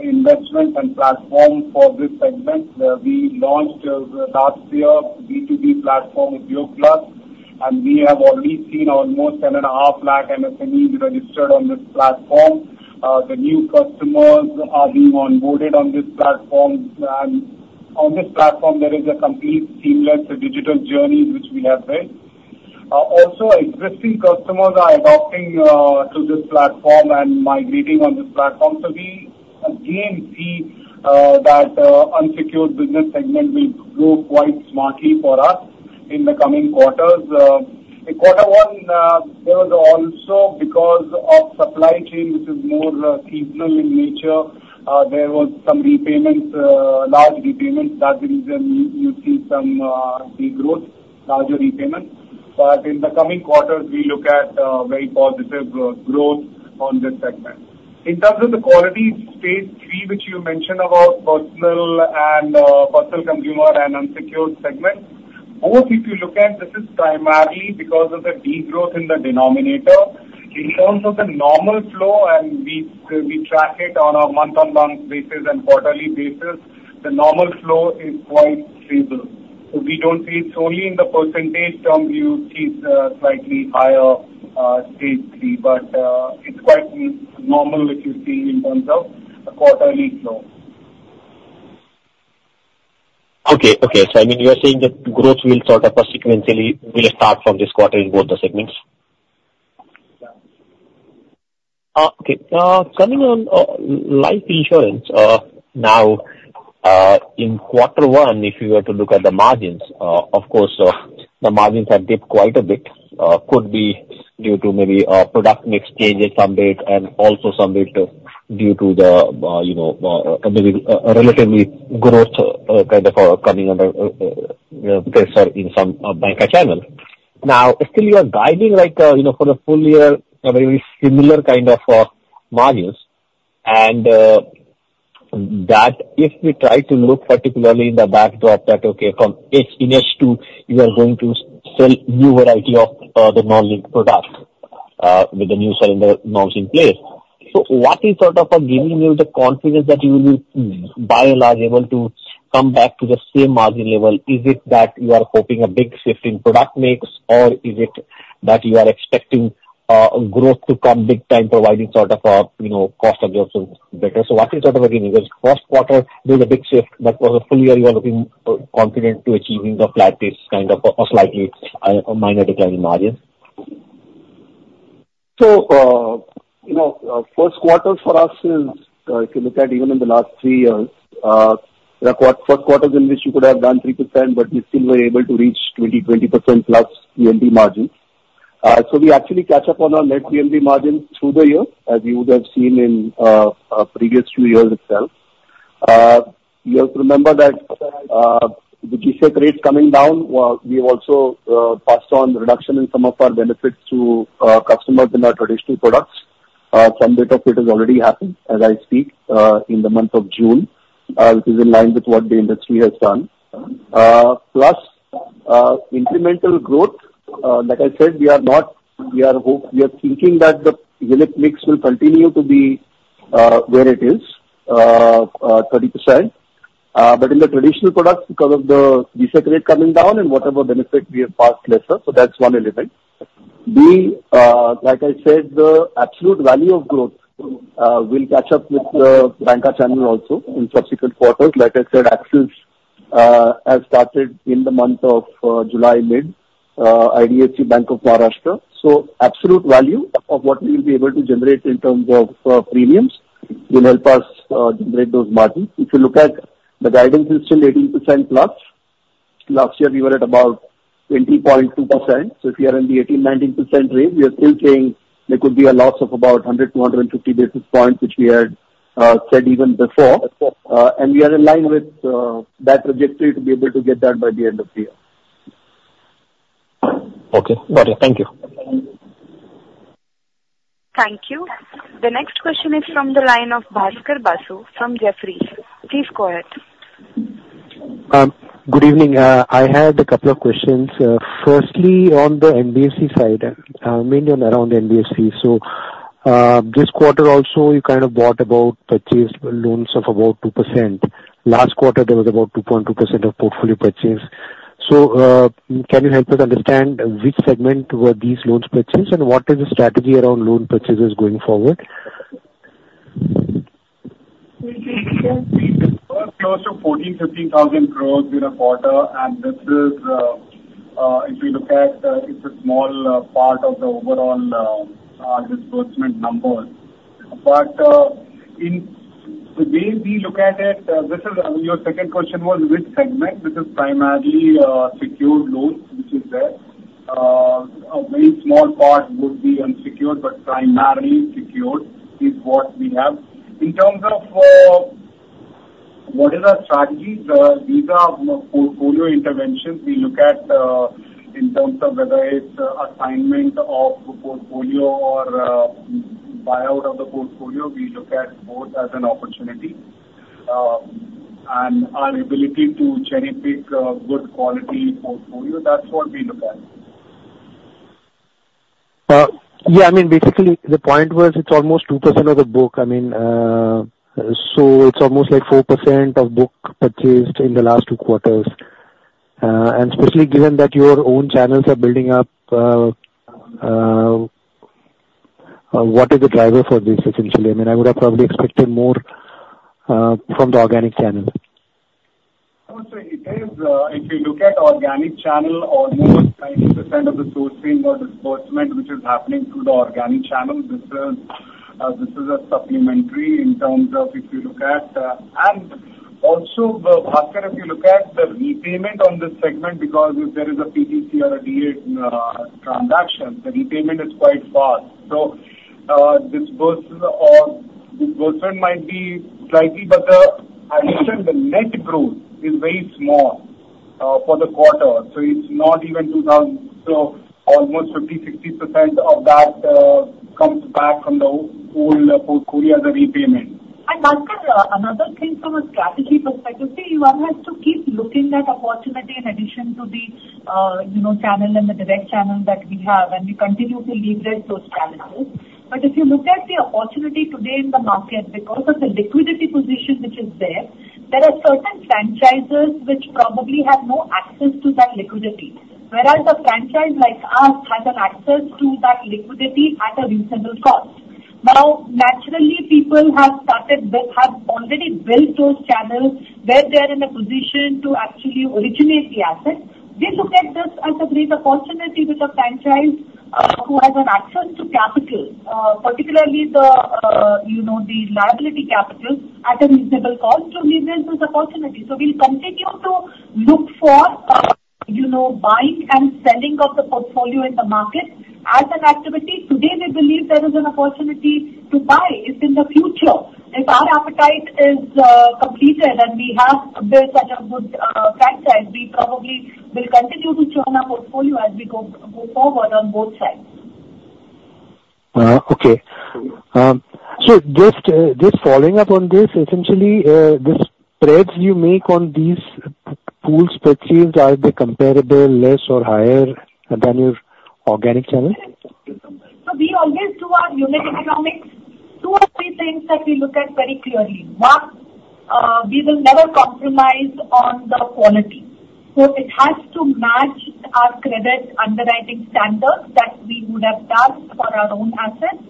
investment and platform for this segment. We launched, last year, B2B platform with Udyog Plus, and we have already seen almost 10.5 lakh MSMEs registered on this platform. The new customers are being onboarded on this platform, and on this platform, there is a complete seamless digital journey which we have built. Also, existing customers are adopting, to this platform and migrating on this platform. So we again see that unsecured business segment will grow quite smartly for us in the coming quarters. In quarter one, there was also because of supply chain, which is more seasonal in nature, there was some repayments, large repayments. That's the reason you, you see some degrowth, larger repayments. But in the coming quarters, we look at very positive growth on this segment. In terms of the quality stage three, which you mentioned about personal and personal consumer and unsecured segment, both if you look at this is primarily because of the degrowth in the denominator. In terms of the normal flow, and we, we track it on a month-on-month basis and quarterly basis, the normal flow is quite stable. So we don't see it solely in the percentage term, you see it's slightly higher stage three, but it's quite normal, what you're seeing in terms of a quarterly flow. Okay. Okay, so I mean, you are saying that growth will sort of sequentially will start from this quarter in both the segments? Yeah. Okay. Coming on life insurance now in quarter one, if you were to look at the margins, of course, the margins have dipped quite a bit, could be due to maybe product mix changes some bit and also some bit due to the, you know, maybe relatively growth kind of coming under pressure in some banca channel. Now, still you are guiding, like, you know, for the full year, a very similar kind of margins. And that if we try to look particularly in the backdrop that, okay, from H2, you are going to sell new variety of the non-linked products with the new solvency norms in place. So what is sort of giving you the confidence that you will be, by and large, able to come back to the same margin level? Is it that you are hoping a big shift in product mix, or is it that you are expecting, growth to come big time, providing sort of a, you know, cost absorption better? So what is sort of giving you this first quarter, there's a big shift, but for the full year, you are looking, confident to achieving the flat base kind of, or slightly, a minor decline in margins. So, you know, first quarter for us is, if you look at even in the last three years, the first quarters in which you could have done 3%, but we still were able to reach 20, 20% plus NIM margins. So we actually catch up on our net NIM margins through the year, as you would have seen in a previous few years itself. You have to remember that, the G-Sec rates coming down, we also passed on reduction in some of our benefits to customers in our traditional products. Some bit of it has already happened as I speak, in the month of June, which is in line with what the industry has done. Plus, incremental growth, like I said, we are thinking that the unit mix will continue to be 30%. But in the traditional products, because of the G-Sec rate coming down and whatever benefit we have passed lesser, so that's one element. Like I said, the absolute value of growth will catch up with banca channel also in subsequent quarters. Like I said, Axis has started in the month of mid-July, IDFC, Bank of Maharashtra. So absolute value of what we will be able to generate in terms of premiums will help us generate those margins. If you look at the guidance, it is still 18%+. Last year we were at about 20.2%. If you are in the 18%-19% range, we are still saying there could be a loss of about 100-250 basis points, which we had said even before, and we are in line with that trajectory to be able to get that by the end of the year. ... Okay, got it. Thank you. Thank you. The next question is from the line of Bhaskar Basu from Jefferies. Please go ahead. Good evening. I had a couple of questions. Firstly, on the NBFC side, mainly around NBFC. So, this quarter also, you kind of brought about purchased loans of about 2%. Last quarter, there was about 2.2% of portfolio purchase. So, can you help us understand which segment were these loans purchased, and what is the strategy around loan purchases going forward? We dispersed close to 14,000-15,000 crore INR in a quarter, and this is, if you look at, it's a small part of the overall disbursement number. But, in the way we look at it, this is... Your second question was which segment? Which is primarily secured loans, which is there. A very small part would be unsecured, but primarily secured is what we have. In terms of, what is our strategy, these are portfolio interventions we look at, in terms of whether it's assignment of portfolio or buy out of the portfolio. We look at both as an opportunity, and our ability to cherry-pick good quality portfolio, that's what we look at. Yeah. I mean, basically, the point was, it's almost 2% of the book. I mean, so it's almost like 4% of book purchased in the last two quarters. Especially given that your own channels are building up, what is the driver for this, essentially? I mean, I would have probably expected more from the organic channel. I would say it is, if you look at organic channel, almost 90% of the sourcing or disbursement, which is happening through the organic channel, this is a supplementary in terms of if you look at. And also, Bhaskar, if you look at the repayment on this segment, because if there is a PTC or a DA transaction, the repayment is quite fast. So, disbursement might be slightly, but the, as I said, the net growth is very small for the quarter, so it's not even 2,000. So almost 50-60% of that comes back from the old portfolio as a repayment. And Bhaskar, another thing from a strategy perspective, see, one has to keep looking at opportunity in addition to the, you know, channel and the direct channel that we have, and we continue to leverage those channels. But if you look at the opportunity today in the market, because of the liquidity position which is there, there are certain franchisers which probably have no access to that liquidity, whereas a franchise like us has an access to that liquidity at a reasonable cost. Now, naturally, people have started, they have already built those channels where they are in a position to actually originate the assets. We look at this as a great opportunity with a franchise, who has an access to capital, particularly the, you know, the liability capital at a reasonable cost to leverage this opportunity. So we'll continue to look for, you know, buying and selling of the portfolio in the market as an activity. Today, we believe there is an opportunity to buy. If in the future, if our appetite is completed and we have built such a good franchise, we probably will continue to churn our portfolio as we go forward on both sides. Okay. So just, just following up on this, essentially, the spreads you make on these pools purchased, are they comparable, less or higher than your organic channel? We always do our unit economics. Two or three things that we look at very clearly. One, we will never compromise on the quality, so it has to match our credit underwriting standards that we would have done for our own assets.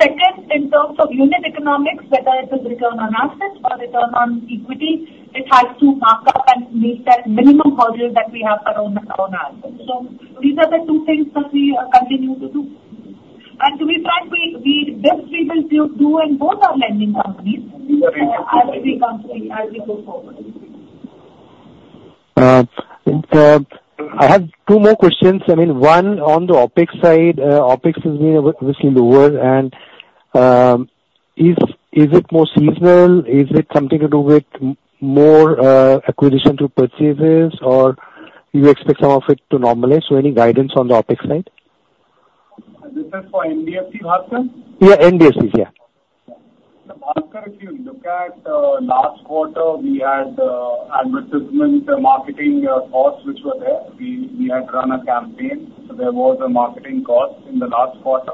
Second, in terms of unit economics, whether it is return on assets or return on equity, it has to mark up and meet that minimum hurdle that we have around our assets. So these are the two things that we continue to do. We will do this in both our lending companies as we go forward. So I have two more questions. I mean, one, on the OpEx side, OpEx has been obviously lower and, is it more seasonal? Is it something to do with more acquisition to purchases, or you expect some of it to normalize? So any guidance on the OpEx side? This is for NBFC, Bhaskar? Yeah, NBFCs, yeah. So Bhaskar, if you look at last quarter, we had advertisement marketing costs, which were there. We had run a campaign, so there was a marketing cost in the last quarter.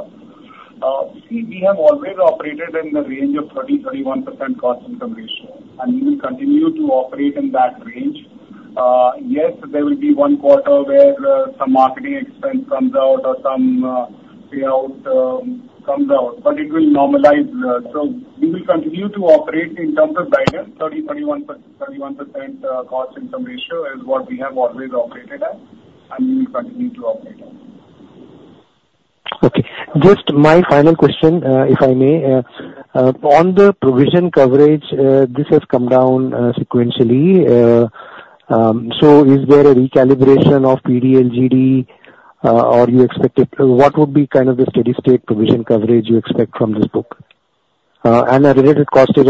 See, we have always operated in the range of 30%-31% cost-income ratio, and we will continue to operate in that range. Yes, there will be one quarter where some marketing expense comes out or some payout comes out, but it will normalize. So we will continue to operate in terms of guidance, 30%-31%, 31% cost-income ratio is what we have always operated at, and we will continue to operate at. Okay. Just my final question, if I may. On the provision coverage, this has come down sequentially, so is there a recalibration of PD/LGD, or you expect it? What would be kind of the steady state provision coverage you expect from this book? And a related question is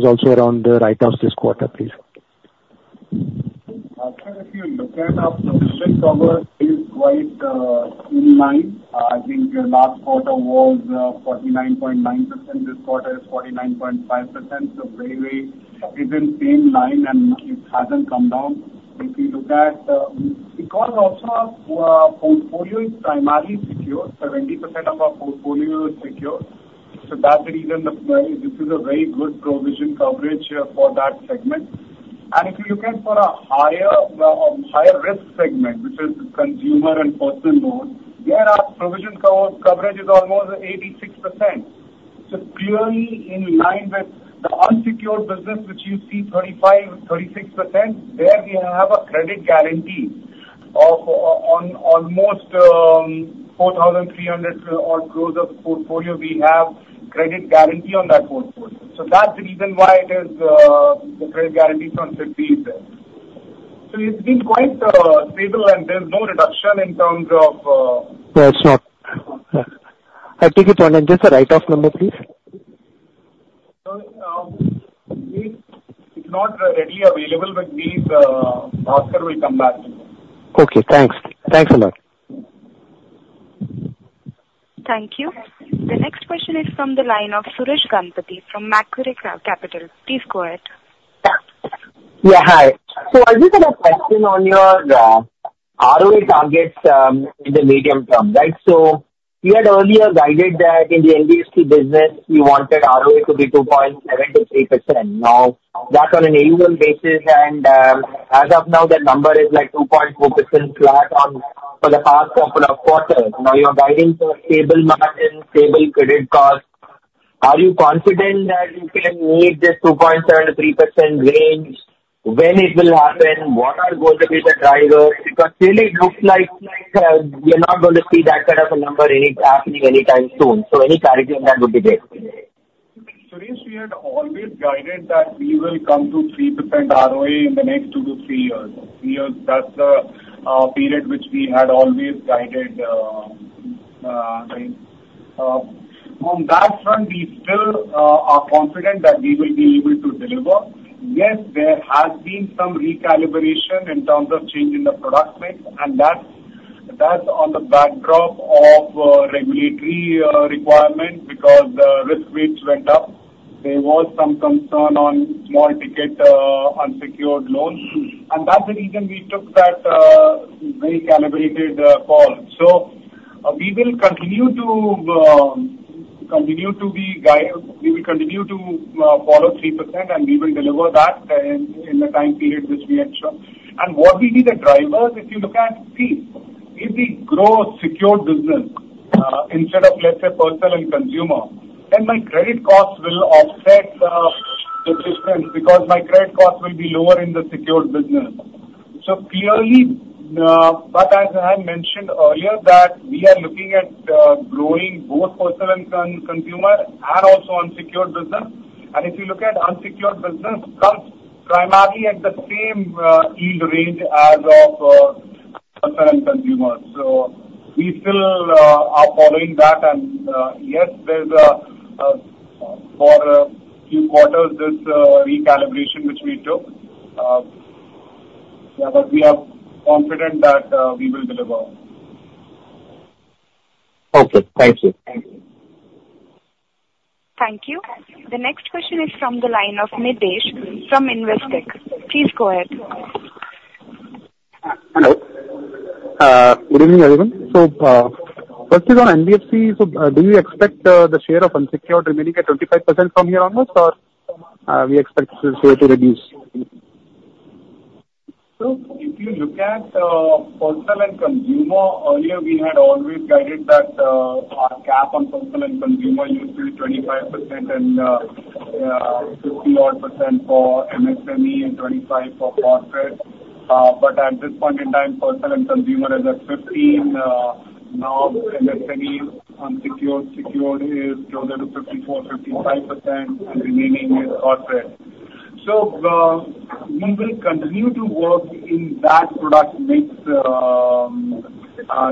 also around the write-offs this quarter, please. If you look at our provision coverage is quite in line. I think your last quarter was 49.9%. This quarter is 49.5%. So very, very within same line, and it hasn't come down. If you look at, because also our portfolio is primarily secure, 70% of our portfolio is secure. So that's the reason this is a very good provision coverage for that segment. And if you look at for a higher risk segment, which is consumer and personal loans, there our provision coverage is almost 86%. So clearly in line with the unsecured business, which you see 35%-36%, there we have a credit guarantee on almost 4,300 crore of portfolio, we have credit guarantee on that portfolio. So that's the reason why it is, the credit guarantee is on 50 is there. So it's been quite stable and there's no reduction in terms of, Yeah, it's not. I take it on, just the write-off number, please. So, it's not readily available, but we, Bhaskar, will come back to you. Okay, thanks. Thanks a lot. Thank you. The next question is from the line of Suresh Ganapathy, from Macquarie Capital. Please go ahead. Yeah, hi. So I just had a question on your ROA targets in the medium term, right? So you had earlier guided that in the NBFC business, you wanted ROA to be 2.7%-3%. Now, that's on an annual basis, and as of now, that number is like 2.4% flat on for the past couple of quarters. Now you are guiding for stable margin, stable credit cost. Are you confident that you can meet this 2.7%-3% range? When it will happen? What are going to be the drivers? Because really it looks like, like we are not going to see that kind of a number any happening anytime soon. So any clarity on that would be great. Suresh, we had always guided that we will come to 3% ROA in the next 2-3 years. Three years, that's the period which we had always guided, I mean. From that front, we still are confident that we will be able to deliver. Yes, there has been some recalibration in terms of change in the product mix, and that's on the backdrop of regulatory requirement, because the risk weights went up. There was some concern on small ticket unsecured loans, and that's the reason we took that very calibrated call. So we will continue to continue to be guide—we will continue to follow 3%, and we will deliver that in the time period which we had shown. And what will be the drivers? If you look at, see, if we grow secured business instead of, let's say, personal and consumer, then my credit costs will offset the difference, because my credit cost will be lower in the secured business. So clearly, but as I mentioned earlier, that we are looking at growing both personal and consumer and also unsecured business. And if you look at unsecured business, comes primarily at the same yield range as of personal and consumer. So we still are following that. And yes, there's a recalibration for a few quarters which we took. Yeah, but we are confident that we will deliver. Okay. Thank you. Thank you. The next question is from the line of Nidhesh from Investec. Please go ahead. Hello? Good evening, everyone. So, first is on NBFC. So, do you expect the share of unsecured remaining at 25% from here onwards, or we expect this share to reduce? So if you look at personal and consumer, earlier, we had always guided that our cap on personal and consumer used to be 25% and fifty odd percent for MSME and 25 for corporate. But at this point in time, personal and consumer is at 15, now MSME, unsecured, secured is closer to 54, 55%, and remaining is corporate. So we will continue to work in that product mix,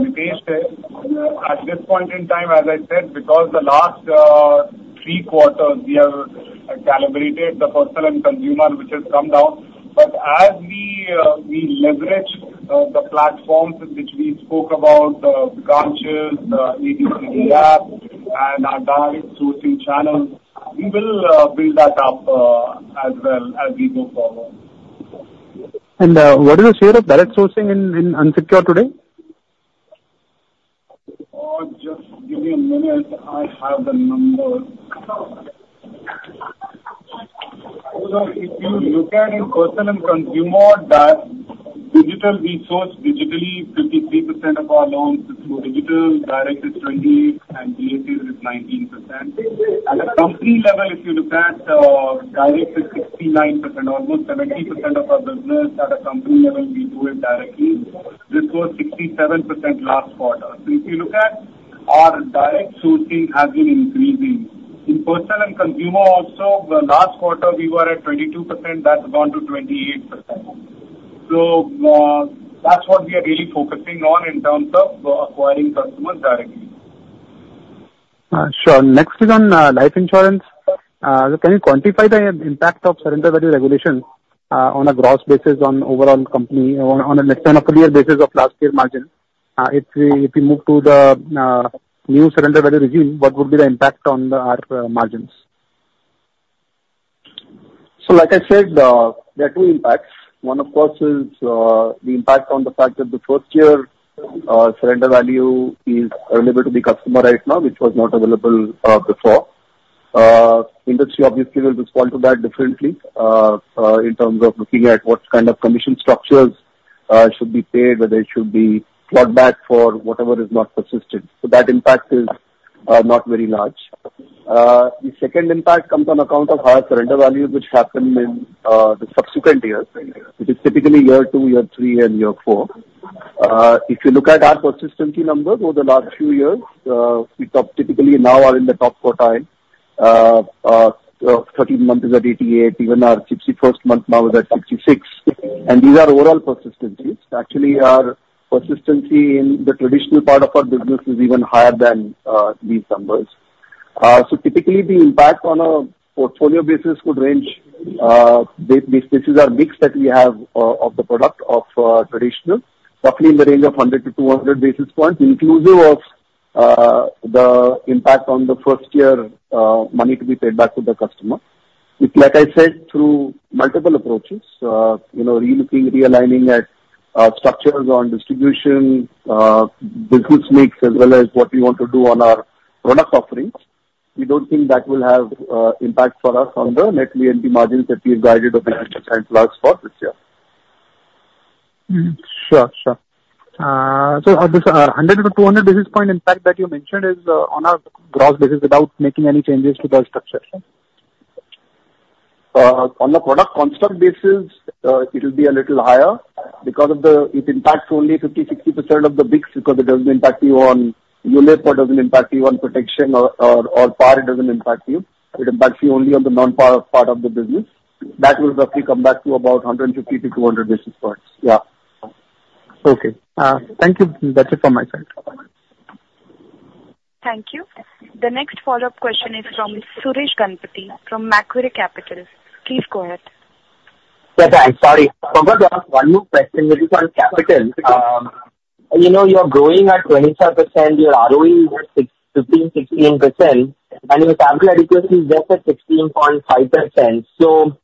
Nidhesh. At this point in time, as I said, because the last 3 quarters, we have calibrated the personal and consumer, which has come down. But as we leverage the platforms which we spoke about, the branches, the ABCD app, and our direct sourcing channels, we will build that up as well as we go forward. What is the share of direct sourcing in unsecured today? Just give me a minute. I have the number. So if you look at in personal and consumer, that digital, we source digitally 53% of our loans is through digital, direct is 20, and digital is 19%. At a company level, if you look at, direct is 69%, almost 70% of our business at a company level, we do it directly. This was 67% last quarter. So if you look at our direct sourcing has been increasing. In personal and consumer also, the last quarter we were at 22%, that's gone to 28%.... So, that's what we are really focusing on in terms of, acquiring customers directly. Sure. Next is on life insurance. Can you quantify the impact of surrender value regulation on a gross basis on overall company, on a year basis of last year's margin? If we move to the new surrender value regime, what would be the impact on our margins? So, like I said, there are two impacts. One, of course, is the impact on the fact that the first year surrender value is available to the customer right now, which was not available before. Industry obviously will respond to that differently in terms of looking at what kind of commission structures should be paid, whether it should be plugged back for whatever is not persistent. So that impact is not very large. The second impact comes on account of higher surrender values, which happen in the subsequent years. It is typically year 2, year 3 and year 4. If you look at our persistency numbers over the last few years, we top typically now are in the top quartile. 30th month is at 88. Even our 61st month now is at 66. These are overall persistency. Actually, our persistency in the traditional part of our business is even higher than these numbers. So typically the impact on a portfolio basis could range, basis our mix that we have, of the product of traditional, roughly in the range of 100-200 basis points, inclusive of the impact on the first year money to be paid back to the customer. Which like I said, through multiple approaches, you know, relooking, realigning at structures on distribution, business mix, as well as what we want to do on our product offerings, we don't think that will have impact for us on the net VNB margins that we have guided of the financial time last for this year. Sure, sure. So this 100-200 basis point impact that you mentioned is on a gross basis without making any changes to the structure? On the product construct basis, it will be a little higher because of the, it impacts only 50-60% of the mix because it doesn't impact you on ULIP, or it doesn't impact you on protection or PAR. It doesn't impact you. It impacts you only on the non-PAR part of the business. That will roughly come back to about 150-200 basis points. Yeah. Okay. Thank you. That's it from my side. Thank you. The next follow-up question is from Suresh Ganapathy, from Macquarie Capital. Please go ahead. Yeah, thanks. Sorry, I forgot to ask one more question, which is on capital. You know, you're growing at 25%, your ROE is at 15, 16%, and your capital adequacy is just at 16.5%. So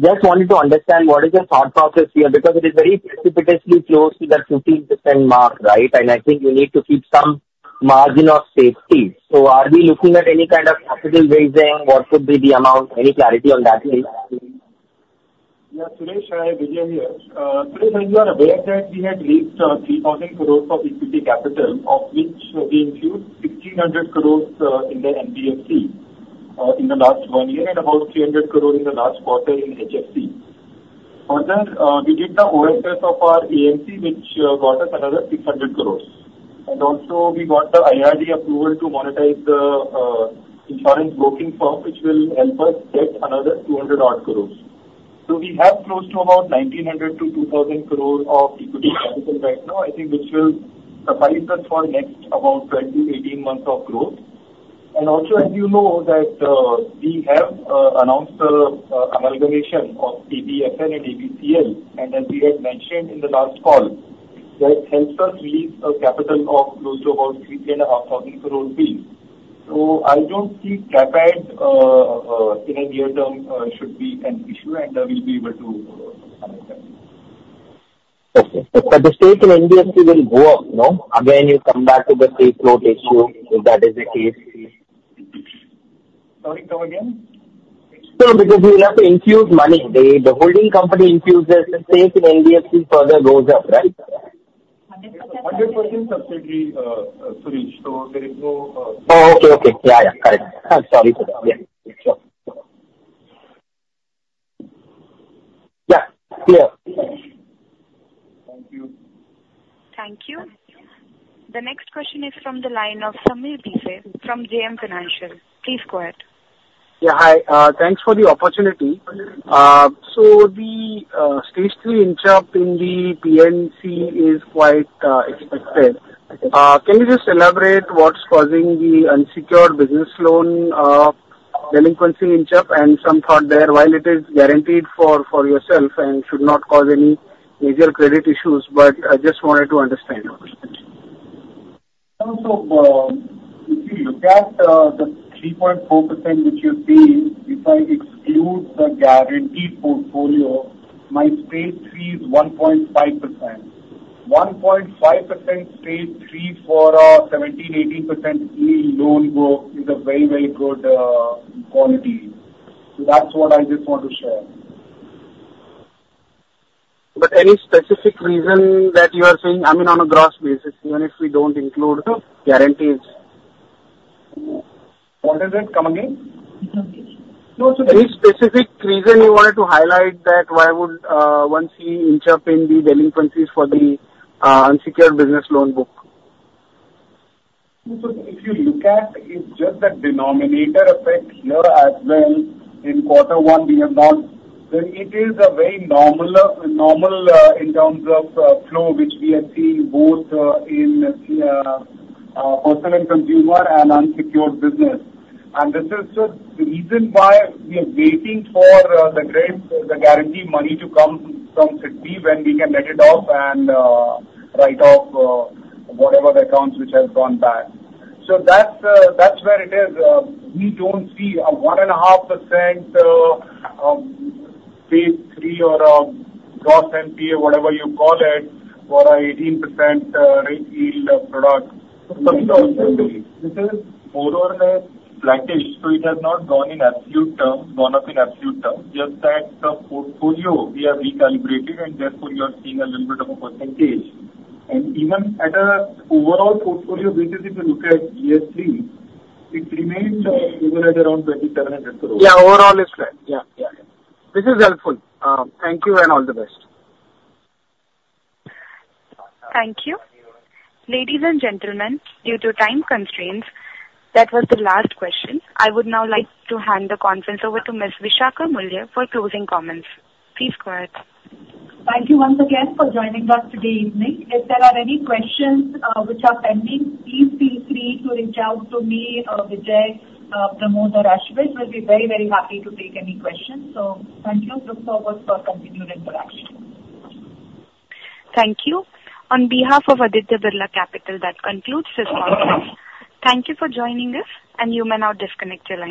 just wanted to understand, what is your thought process here? Because it is very precipitously close to the 15% mark, right? And I think you need to keep some margin of safety. So are we looking at any kind of capital raising? What should be the amount? Any clarity on that please? Yeah, Suresh, Vijay here. Suresh, as you are aware that we had raised 3,000 crore of equity capital, of which we include 1,600 crore in the NBFC in the last one year, and about 300 crore in the last quarter in HFC. Further, we did the OFS of our AMC, which got us another 600 crore. And also, we got the IRDAI approval to monetize the insurance broking firm, which will help us get another about 200 crore. So we have close to about 1,900 crore-2,000 crore of equity capital right now, I think which will suffice us for next about 28 months of growth. Also, as you know, that we have announced the amalgamation of ABCL and ABFL, and as we had mentioned in the last call, that helps us release a capital of close to about 3,500 crore rupees. So I don't see CapEx in the near term should be an issue, and we'll be able to manage that. Okay. But the stake in NBFC will go up, no? Again, you come back to the same float issue, if that is the case. Sorry, come again? No, because you will have to infuse money. The holding company infuses the stake in NBFC further goes up, right? Hundred percent. 100% subsidiary, Suresh, so there is no, Oh, okay, okay. Yeah, yeah, correct. Sorry for that. Yeah, sure. Yeah, clear. Thank you. Thank you. The next question is from the line of Sameer Bhise from JM Financial. Please go ahead. Yeah, hi. Thanks for the opportunity. So the Stage 3 inch up in the NBFC is quite expected. Can you just elaborate what's causing the unsecured business loan delinquency inch up and some thought there, while it is guaranteed for yourself and should not cause any major credit issues, but I just wanted to understand your perspective. So, if you look at the 3.4%, which you're seeing, if I exclude the guaranteed portfolio, my stage three is 1.5%. 1.5% stage three for 17%-18% yield loan book is a very, very good quality. So that's what I just want to share. Any specific reason that you are saying, I mean, on a gross basis, even if we don't include guarantees? What is it? Come again. Guarantees. No, so- Any specific reason you wanted to highlight that? Why would one see an inch up in the delinquencies for the unsecured business loan book? So if you look at, it's just the denominator effect here as well in quarter one, we have not... It is a very normal, normal, in terms of flow, which we are seeing both in personal and consumer and unsecured business. And this is the, the reason why we are waiting for the great, the guarantee money to come from CGTMSE, when we can let it off and write off whatever accounts which have gone bad. So that's, that's where it is. We don't see a 1.5% stage 3 or gross NPA, whatever you call it, for 18% yield product. This is more or less flattish, so it has not gone in absolute terms, gone up in absolute terms. Just that the portfolio we have recalibrated, and therefore, you are seeing a little bit of a percentage. And even at a overall portfolio basis, if you look at year three, it remains even at around 27.5%. Yeah, overall, it's right. Yeah. Yeah. This is helpful. Thank you and all the best. Thank you. Ladies and gentlemen, due to time constraints, that was the last question. I would now like to hand the conference over to Ms. Vishakha Mulye for closing comments. Please go ahead. Thank you once again for joining us today evening. If there are any questions which are pending, please feel free to reach out to me or Vijay, Pramod, or Ashish. We'll be very, very happy to take any questions. So thank you. Look forward for continued interaction. Thank you. On behalf of Aditya Birla Capital, that concludes this conference. Thank you for joining us, and you may now disconnect your lines.